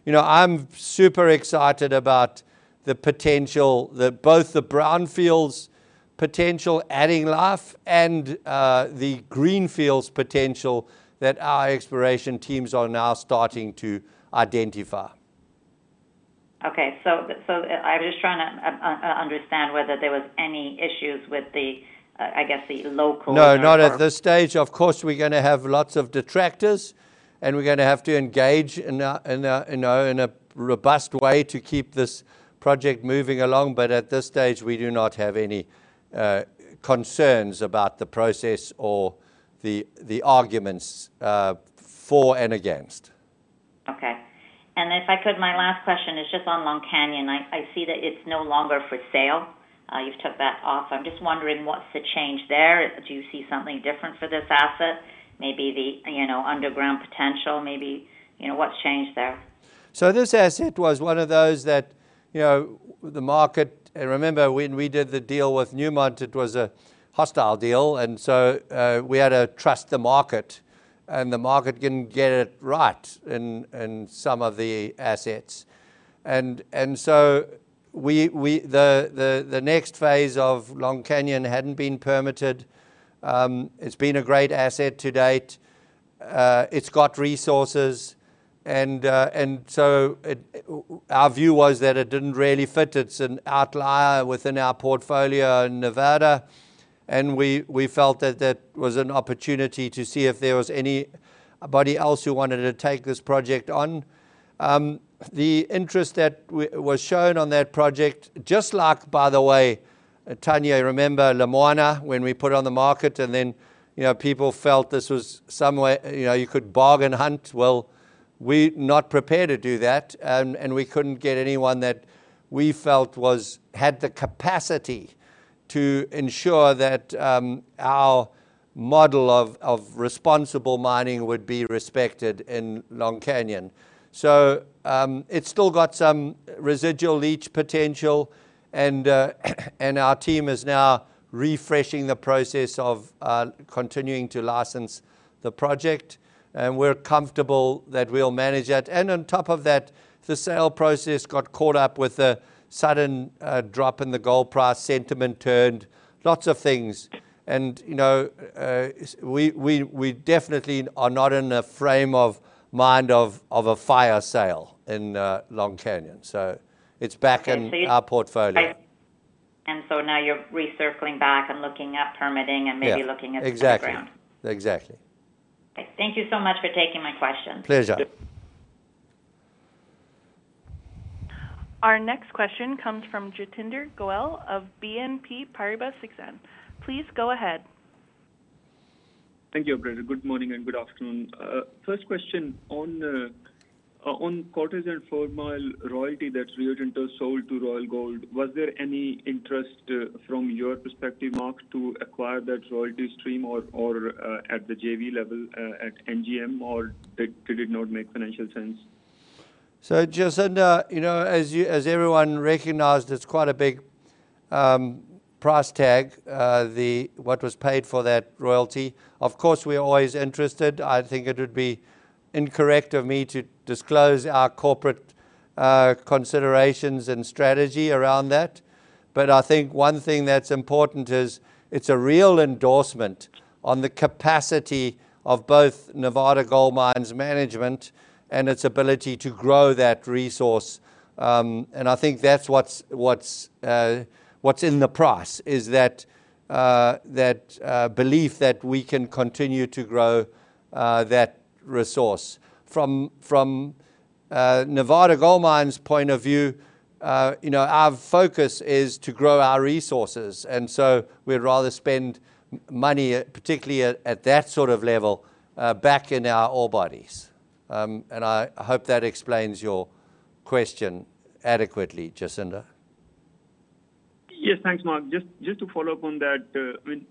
You know, I'm super excited about the potential that both the brownfields potential adding life and the greenfields potential that our exploration teams are now starting to identify. I'm just trying to understand whether there was any issues with the, I guess, the local. No, not at this stage. Of course, we're gonna have lots of detractors, and we're gonna have to engage in a robust way to keep this project moving along. At this stage, we do not have any concerns about the process or the arguments for and against. Okay. If I could, my last question is just on Long Canyon. I see that it's no longer for sale. You've took that off. I'm just wondering what's the change there. Do you see something different for this asset? Maybe the, you know, underground potential maybe. You know, what's changed there? This asset was one of those that, you know, the market didn't get it right in some of the assets. Remember, when we did the deal with Newmont, it was a hostile deal. We had to trust the market. The next phase of Long Canyon hadn't been permitted. It's been a great asset to date. It's got resources. Our view was that it didn't really fit. It's an outlier within our portfolio in Nevada. We felt that that was an opportunity to see if there was anybody else who wanted to take this project on. The interest that was shown on that project, just like, by the way, Tanya, remember Lumwana, when we put it on the market and then, you know, people felt this was some way, you know, you could bargain hunt? Well, we're not prepared to do that. We couldn't get anyone that we felt had the capacity to ensure that our model of responsible mining would be respected in Long Canyon. It's still got some residual leach potential. Our team is now refreshing the process of continuing to license the project, and we're comfortable that we'll manage that. On top of that, the sale process got caught up with a sudden drop in the gold price, sentiment turned, lots of things. You know, we definitely are not in a frame of mind of a fire sale in Long Canyon. It's back in our portfolio. Now you're circling back and looking at permitting and maybe. Yeah. Looking at the ground. Exactly. Exactly. Okay. Thank you so much for taking my question. Pleasure. Our next question comes from Jatinder Goel of BNP Paribas Exane. Please go ahead. Thank you, operator. Good morning and good afternoon. First question on Cortez and Fourmile royalty that Rio Tinto sold to Royal Gold, was there any interest from your perspective, Mark, to acquire that royalty stream or at the JV level at NGM, or did it not make financial sense? Jatinder, you know, as everyone recognized, it's quite a big price tag, what was paid for that royalty. Of course, we're always interested. I think it would be incorrect of me to disclose our corporate considerations and strategy around that. I think one thing that's important is it's a real endorsement on the capacity of both Nevada Gold Mines management and its ability to grow that resource. I think that's what's in the price, is that belief that we can continue to grow that resource. From Nevada Gold Mines' point of view, you know, our focus is to grow our resources. We'd rather spend money, particularly at that sort of level, back in our ore bodies. I hope that explains your question adequately, Jatinder. Yes, thanks, Mark. Just to follow up on that, I mean,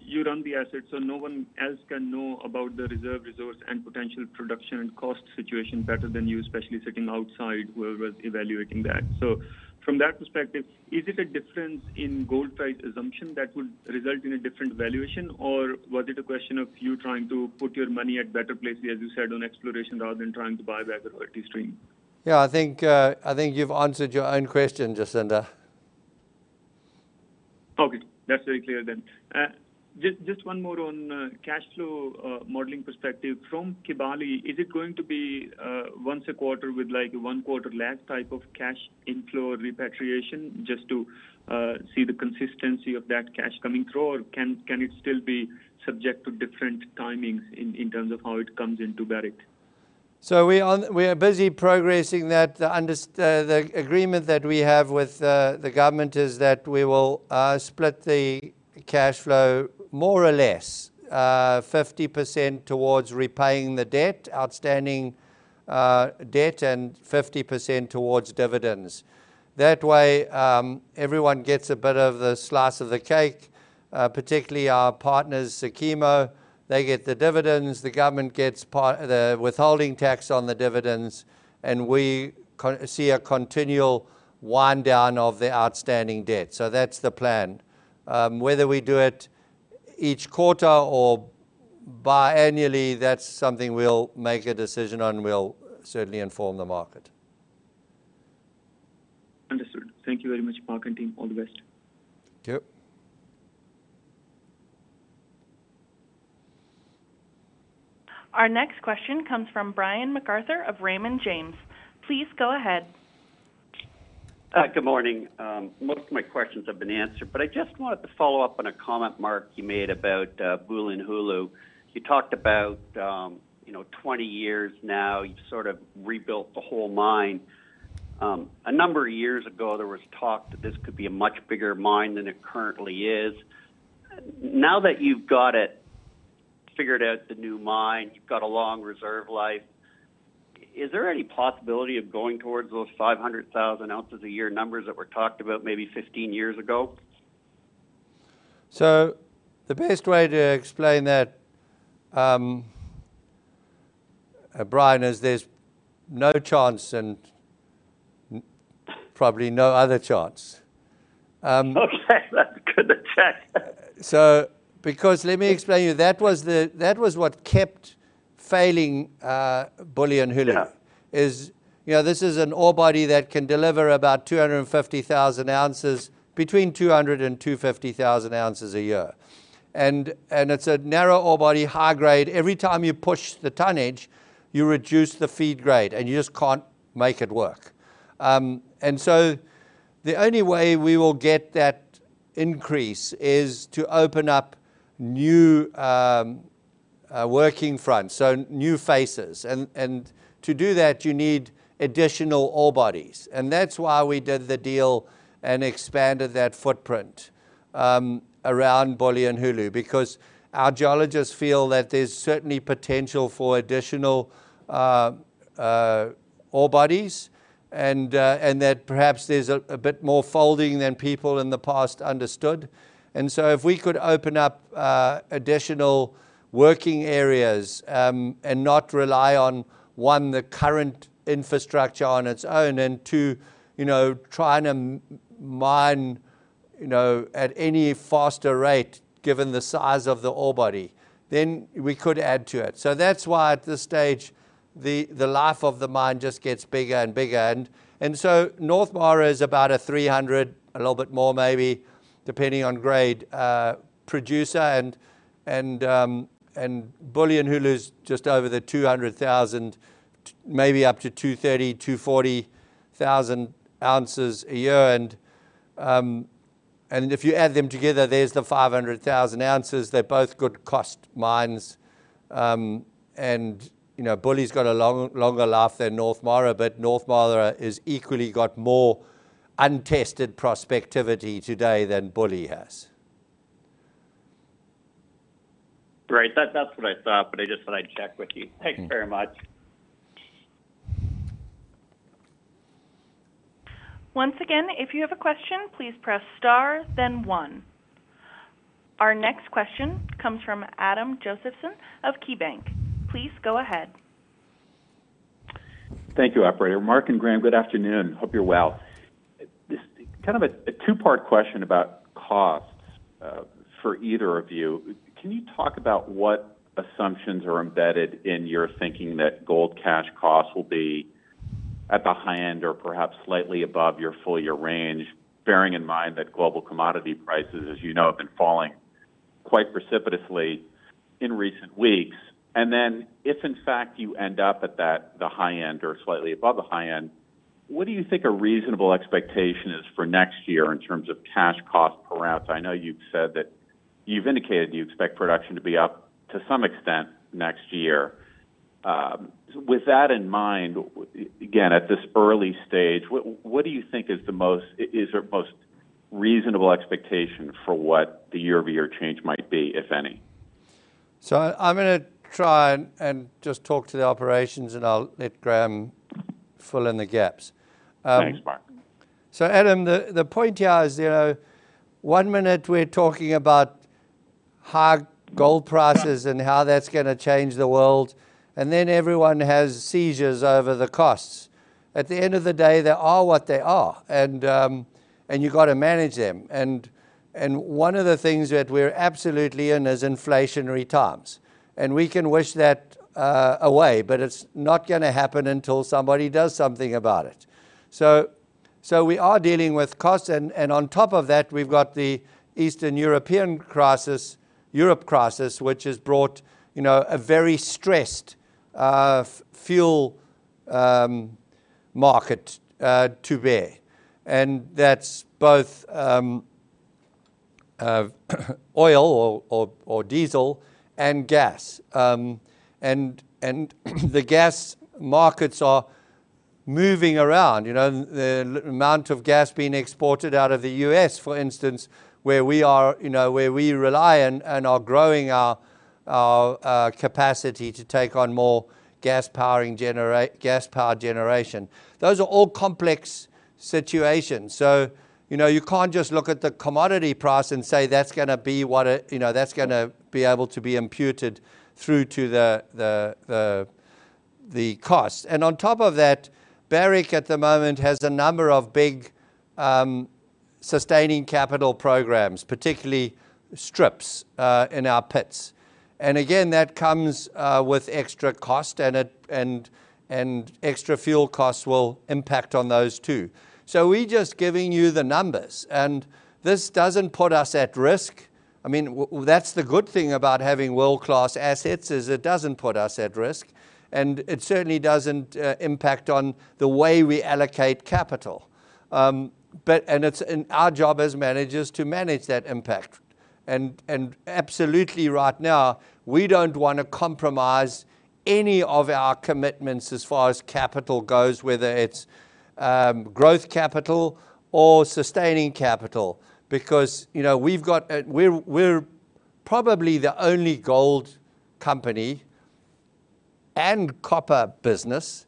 you run the assets, so no one else can know about the reserve resource and potential production and cost situation better than you, especially sitting outside, whoever's evaluating that. From that perspective, is it a difference in gold price assumption that would result in a different valuation, or was it a question of you trying to put your money at better places, as you said, on exploration rather than trying to buy back the royalty stream? Yeah. I think you've answered your own question, Jatinder. Okay. That's very clear then. Just one more on cash flow modeling perspective. From Kibali is it going to be once a quarter with like one quarter lag type of cash inflow repatriation, just to see the consistency of that cash coming through? Or can it still be subject to different timings in terms of how it comes into Barrick? We are busy progressing that. The agreement that we have with the government is that we will split the cash flow more or less 50% towards repaying the outstanding debt, and 50% towards dividends. That way, everyone gets a bit of the slice of the cake, particularly our partners, SOKIMO. They get the dividends, the government gets the withholding tax on the dividends, and we see a continual wind down of the outstanding debt. That's the plan. Whether we do it each quarter or biannually, that's something we'll make a decision on. We'll certainly inform the market. Understood. Thank you very much, Mark and team. All the best. Yep. Our next question comes from Brian MacArthur of Raymond James. Please go ahead. Good morning. Most of my questions have been answered, but I just wanted to follow up on a comment, Mark, you made about Bulyanhulu. You talked about, you know, 20 years now, you've sort of rebuilt the whole mine. A number of years ago, there was talk that this could be a much bigger mine than it currently is. Now that you've got it figured out, the new mine, you've got a long reserve life, is there any possibility of going towards those 500,000 ounces a year numbers that were talked about maybe 15 years ago? The best way to explain that, Brian, is there's no chance and probably no other chance. Okay. That's good to check. Because let me explain to you, that was what kept failing, Bulyanhulu. Yeah. You know, this is an ore body that can deliver about 250,000 ounces, between 200,000 and 250,000 ounces a year. It's a narrow ore body, high grade. Every time you push the tonnage, you reduce the feed grade, and you just can't make it work. The only way we will get that increase is to open up new working fronts, so new faces. To do that, you need additional ore bodies. That's why we did the deal and expanded that footprint around Bulyanhulu, because our geologists feel that there's certainly potential for additional ore bodies and that perhaps there's a bit more folding than people in the past understood. If we could open up additional working areas and not rely on, one, the current infrastructure on its own, and two, you know, trying to mine, you know, at any faster rate given the size of the ore body, then we could add to it. That's why at this stage, the life of the mine just gets bigger and bigger. North Mara is about 300, a little bit more maybe, depending on grade, producer and Bulyanhulu is just over the 200,000, maybe up to 230, 240 thousand ounces a year. If you add them together, there's the 500,000 ounces. They're both good cost mines. You know, Bulyanhulu's got a longer life than North Mara, but North Mara is equally got more untested prospectivity today than Bulyanhulu has. Right. That's what I thought, but I just thought I'd check with you. Thanks very much. Once again, if you have a question, please press star then one. Our next question comes from Adam Josephson of KeyBank. Please go ahead. Thank you, operator. Mark and Graham, good afternoon. Hope you're well. This kind of a two-part question about costs for either of you. Can you talk about what assumptions are embedded in your thinking that gold cash costs will be at the high end or perhaps slightly above your full year range, bearing in mind that global commodity prices, as you know, have been falling quite precipitously in recent weeks. If in fact you end up at that, the high end or slightly above the high end, what do you think a reasonable expectation is for next year in terms of cash cost per ounce? I know you've said that you've indicated you expect production to be up to some extent next year. With that in mind, again, at this early stage, what do you think is the most, is a most reasonable expectation for what the year-over-year change might be, if any? I'm gonna try and just talk to the operations, and I'll let Graham fill in the gaps. Thanks, Mark. Adam, the point here is, you know, one minute we're talking about high gold prices and how that's gonna change the world, and then everyone has seizures over the costs. At the end of the day, they are what they are and you've got to manage them. One of the things that we're absolutely in is inflationary times, and we can wish that away, but it's not gonna happen until somebody does something about it. We are dealing with costs and on top of that, we've got the Eastern European crisis, Europe crisis, which has brought, you know, a very stressed fuel market to bear. That's both oil or diesel and gas. The gas markets are moving around. You know, the amount of gas being exported out of the U.S., for instance, where we are, you know, where we rely and are growing our capacity to take on more gas power generation. Those are all complex situations. You know, you can't just look at the commodity price and say that's gonna be what it, you know, that's gonna be able to be imputed through to the cost. On top of that, Barrick at the moment has a number of big sustaining capital programs, particularly strips in our pits. Again, that comes with extra cost and extra fuel costs will impact on those too. We're just giving you the numbers. This doesn't put us at risk. I mean, that's the good thing about having world-class assets is it doesn't put us at risk, and it certainly doesn't impact on the way we allocate capital. It's in our job as managers to manage that impact. Absolutely right now, we don't wanna compromise any of our commitments as far as capital goes, whether it's growth capital or sustaining capital, because, you know, we're probably the only gold company and copper business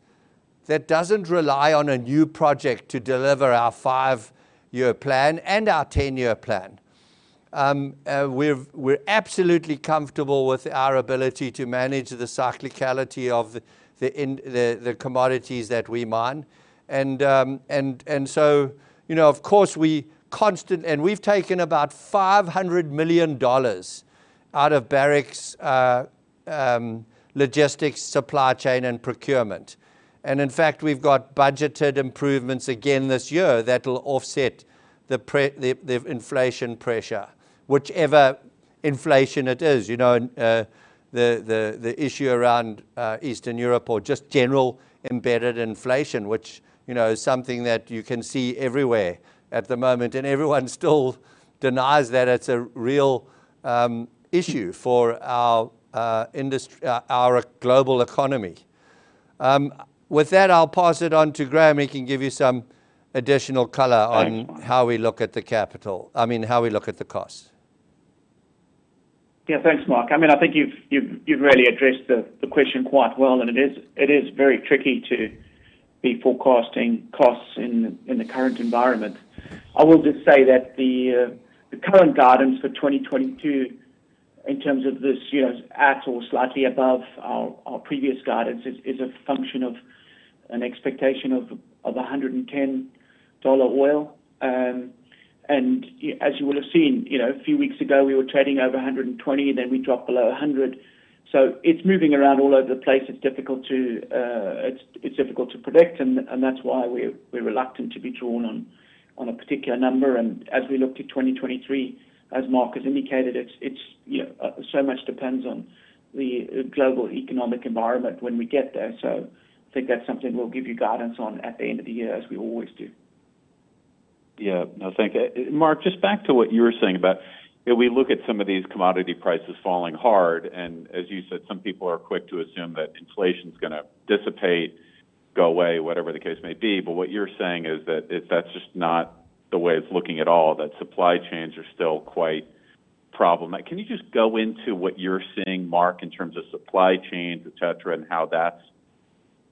that doesn't rely on a new project to deliver our five-year plan and our ten-year plan. We're absolutely comfortable with our ability to manage the cyclicality of the commodities that we mine. You know, of course, we've taken about $500 million out of Barrick's logistics, supply chain, and procurement. In fact, we've got budgeted improvements again this year that'll offset the inflation pressure, whichever inflation it is. You know, the issue around Eastern Europe or just general embedded inflation, which, you know, is something that you can see everywhere at the moment. Everyone still denies that it's a real issue for our global economy. With that, I'll pass it on to Graham. He can give you some additional color on how we look at the capital. I mean, how we look at the costs. Yeah. Thanks, Mark. I mean, I think you've really addressed the question quite well, and it is very tricky to be forecasting costs in the current environment. I will just say that the current guidance for 2022 in terms of this, you know, at or slightly above our previous guidance is a function of an expectation of $110 oil. As you would have seen, you know, a few weeks ago, we were trading over $120, and then we dropped below $100. It's moving around all over the place. It's difficult to predict, and that's why we're reluctant to be drawn on a particular number. As we look to 2023, as Mark has indicated, it's, you know, so much depends on the global economic environment when we get there. I think that's something we'll give you guidance on at the end of the year, as we always do. Yeah. No, thank you. Mark, just back to what you were saying about. Yeah, we look at some of these commodity prices falling hard, and as you said, some people are quick to assume that inflation's gonna dissipate, go away, whatever the case may be. What you're saying is that it's not, that's just not the way it's looking at all, that supply chains are still quite problematic. Can you just go into what you're seeing, Mark, in terms of supply chains, et cetera, and how that's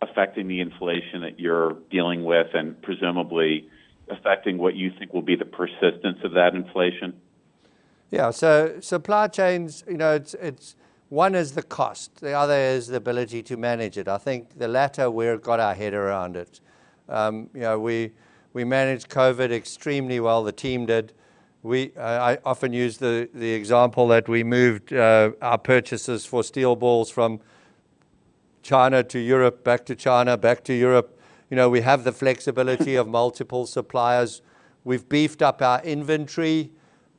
affecting the inflation that you're dealing with and presumably affecting what you think will be the persistence of that inflation? Yeah. Supply chains, you know, it's one is the cost, the other is the ability to manage it. I think the latter, we've got our head around it. You know, we managed COVID extremely well, the team did. I often use the example that we moved our purchases for steel balls from China to Europe, back to China, back to Europe. You know, we have the flexibility of multiple suppliers. We've beefed up our inventory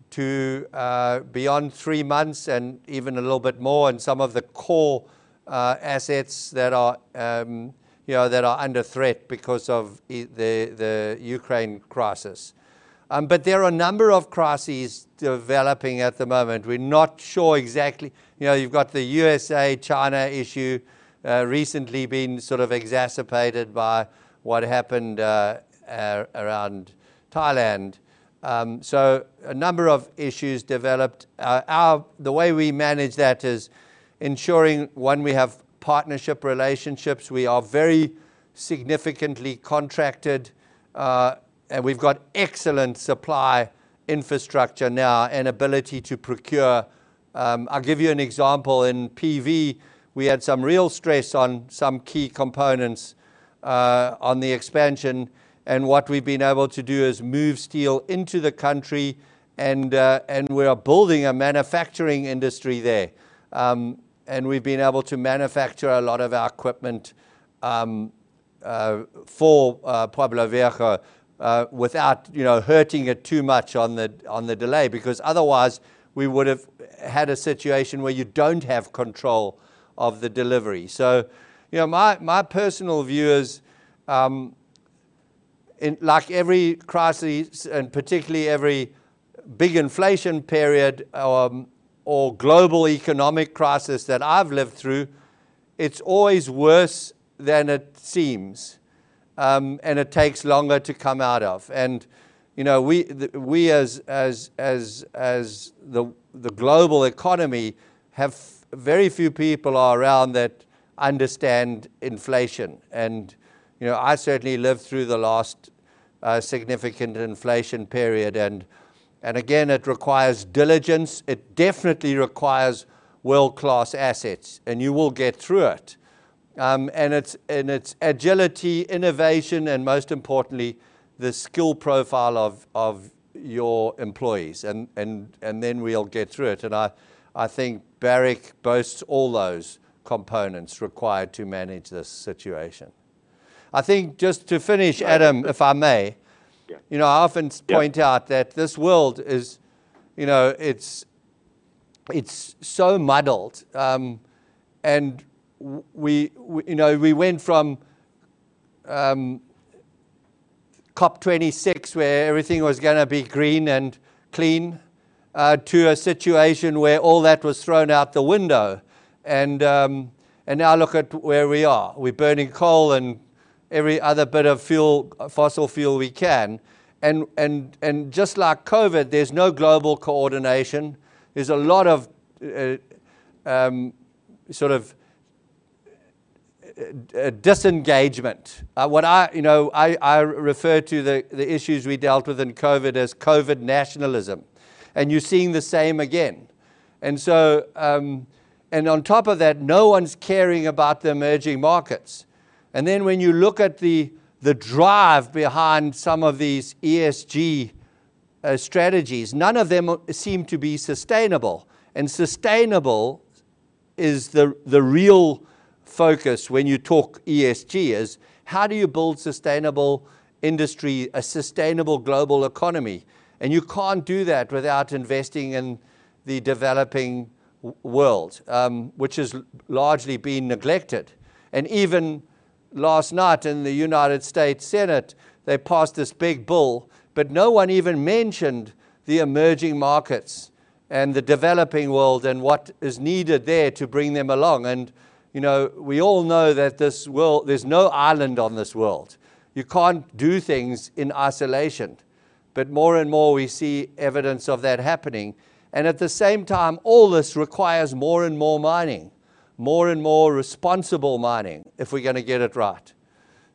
to beyond three months and even a little bit more in some of the core assets that are, you know, that are under threat because of the Ukraine crisis. There are a number of crises developing at the moment. We're not sure exactly. You know, you've got the U.S.A.-China issue recently been sort of exacerbated by what happened around Taiwan. A number of issues developed. The way we manage that is ensuring, one, we have partnership relationships. We are very significantly contracted, and we've got excellent supply infrastructure now and ability to procure. I'll give you an example. In PV, we had some real stress on some key components on the expansion, and what we've been able to do is move steel into the country and we are building a manufacturing industry there. We've been able to manufacture a lot of our equipment for Pueblo Viejo without, you know, hurting it too much on the delay, because otherwise we would have had a situation where you don't have control of the delivery. My personal view is, in like every crisis and particularly every big inflation period, or global economic crisis that I've lived through, it's always worse than it seems, and it takes longer to come out of. We as the global economy have very few people around that understand inflation. I certainly lived through the last significant inflation period, and again, it requires diligence. It definitely requires world-class assets, and you will get through it. It's agility, innovation, and most importantly, the skill profile of your employees, and then we'll get through it. I think Barrick boasts all those components required to manage this situation. I think just to finish, Adam, if I may. Yeah. You know, I often. Yeah. Point out that this world is, you know, it's so muddled. We went from COP26 where everything was gonna be green and clean to a situation where all that was thrown out the window and now look at where we are. We're burning coal and every other bit of fuel, fossil fuel we can. Just like COVID, there's no global coordination. There's a lot of sort of disengagement. What I, you know, refer to the issues we dealt with in COVID as COVID nationalism, and you're seeing the same again. On top of that, no one's caring about the emerging markets. Then when you look at the drive behind some of these ESG strategies, none of them seem to be sustainable. Sustainable is the real focus when you talk ESG, is how do you build sustainable industry, a sustainable global economy? You can't do that without investing in the developing world, which has largely been neglected. Even last night in the United States Senate, they passed this big bill, but no one even mentioned the emerging markets and the developing world and what is needed there to bring them along. You know, we all know that this world. There's no island on this world. You can't do things in isolation. More and more we see evidence of that happening. At the same time, all this requires more and more mining, more and more responsible mining if we're gonna get it right.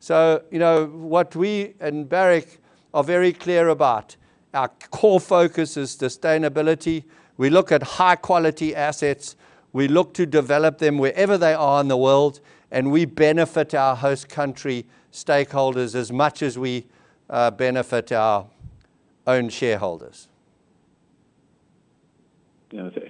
You know, what we and Barrick are very clear about, our core focus is sustainability. We look at high quality assets. We look to develop them wherever they are in the world, and we benefit our host country stakeholders as much as we benefit our own shareholders.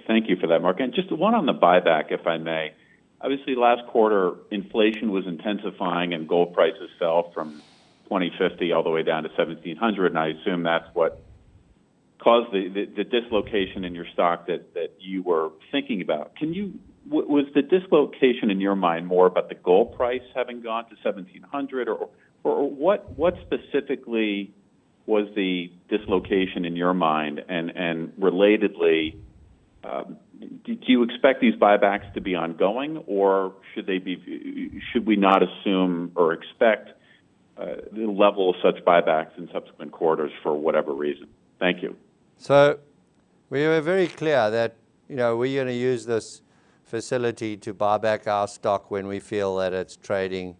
Thank you for that, Mark. Just one on the buyback, if I may. Obviously, last quarter, inflation was intensifying and gold prices fell from $2,050 all the way down to $1,700, and I assume that's what caused the dislocation in your stock that you were thinking about. Was the dislocation in your mind more about the gold price having gone to $1,700? Or what specifically was the dislocation in your mind? Relatedly, do you expect these buybacks to be ongoing, or should they be? Should we not assume or expect the level of such buybacks in subsequent quarters for whatever reason? Thank you. We were very clear that, you know, we're gonna use this facility to buy back our stock when we feel that it's trading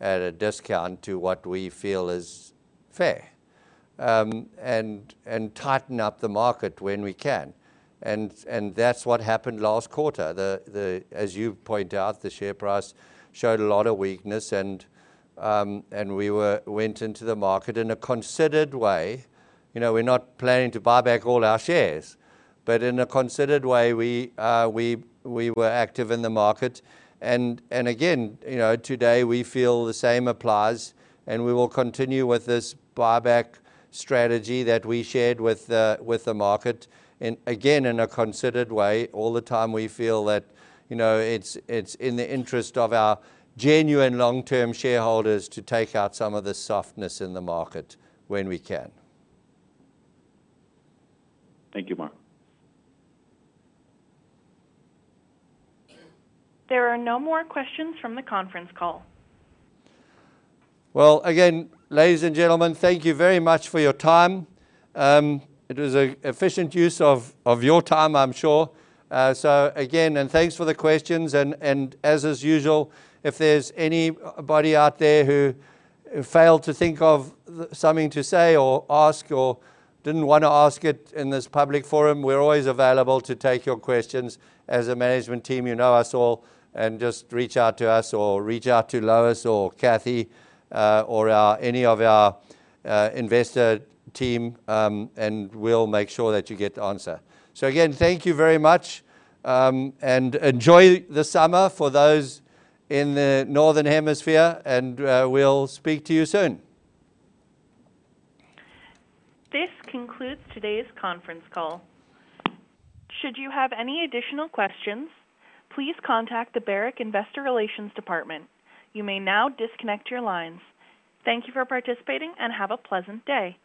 at a discount to what we feel is fair, and tighten up the market when we can. That's what happened last quarter. As you point out, the share price showed a lot of weakness and we went into the market in a considered way. You know, we're not planning to buy back all our shares. In a considered way, we were active in the market. Again, you know, today, we feel the same applies, and we will continue with this buyback strategy that we shared with the market. Again, in a considered way, all the time we feel that, you know, it's in the interest of our genuine long-term shareholders to take out some of the softness in the market when we can. Thank you, Mark. There are no more questions from the conference call. Well, again, ladies and gentlemen, thank you very much for your time. It was an efficient use of your time, I'm sure. Again, thanks for the questions and as is usual, if there's anybody out there who failed to think of something to say or ask or didn't wanna ask it in this public forum, we're always available to take your questions as a management team. You know us all, and just reach out to us or reach out to Lois or Kathy, or any of our investor team, and we'll make sure that you get the answer. Again, thank you very much, and enjoy the summer for those in the Northern Hemisphere, and we'll speak to you soon. This concludes today's conference call. Should you have any additional questions, please contact the Barrick Investor Relations Department. You may now disconnect your lines. Thank you for participating, and have a pleasant day.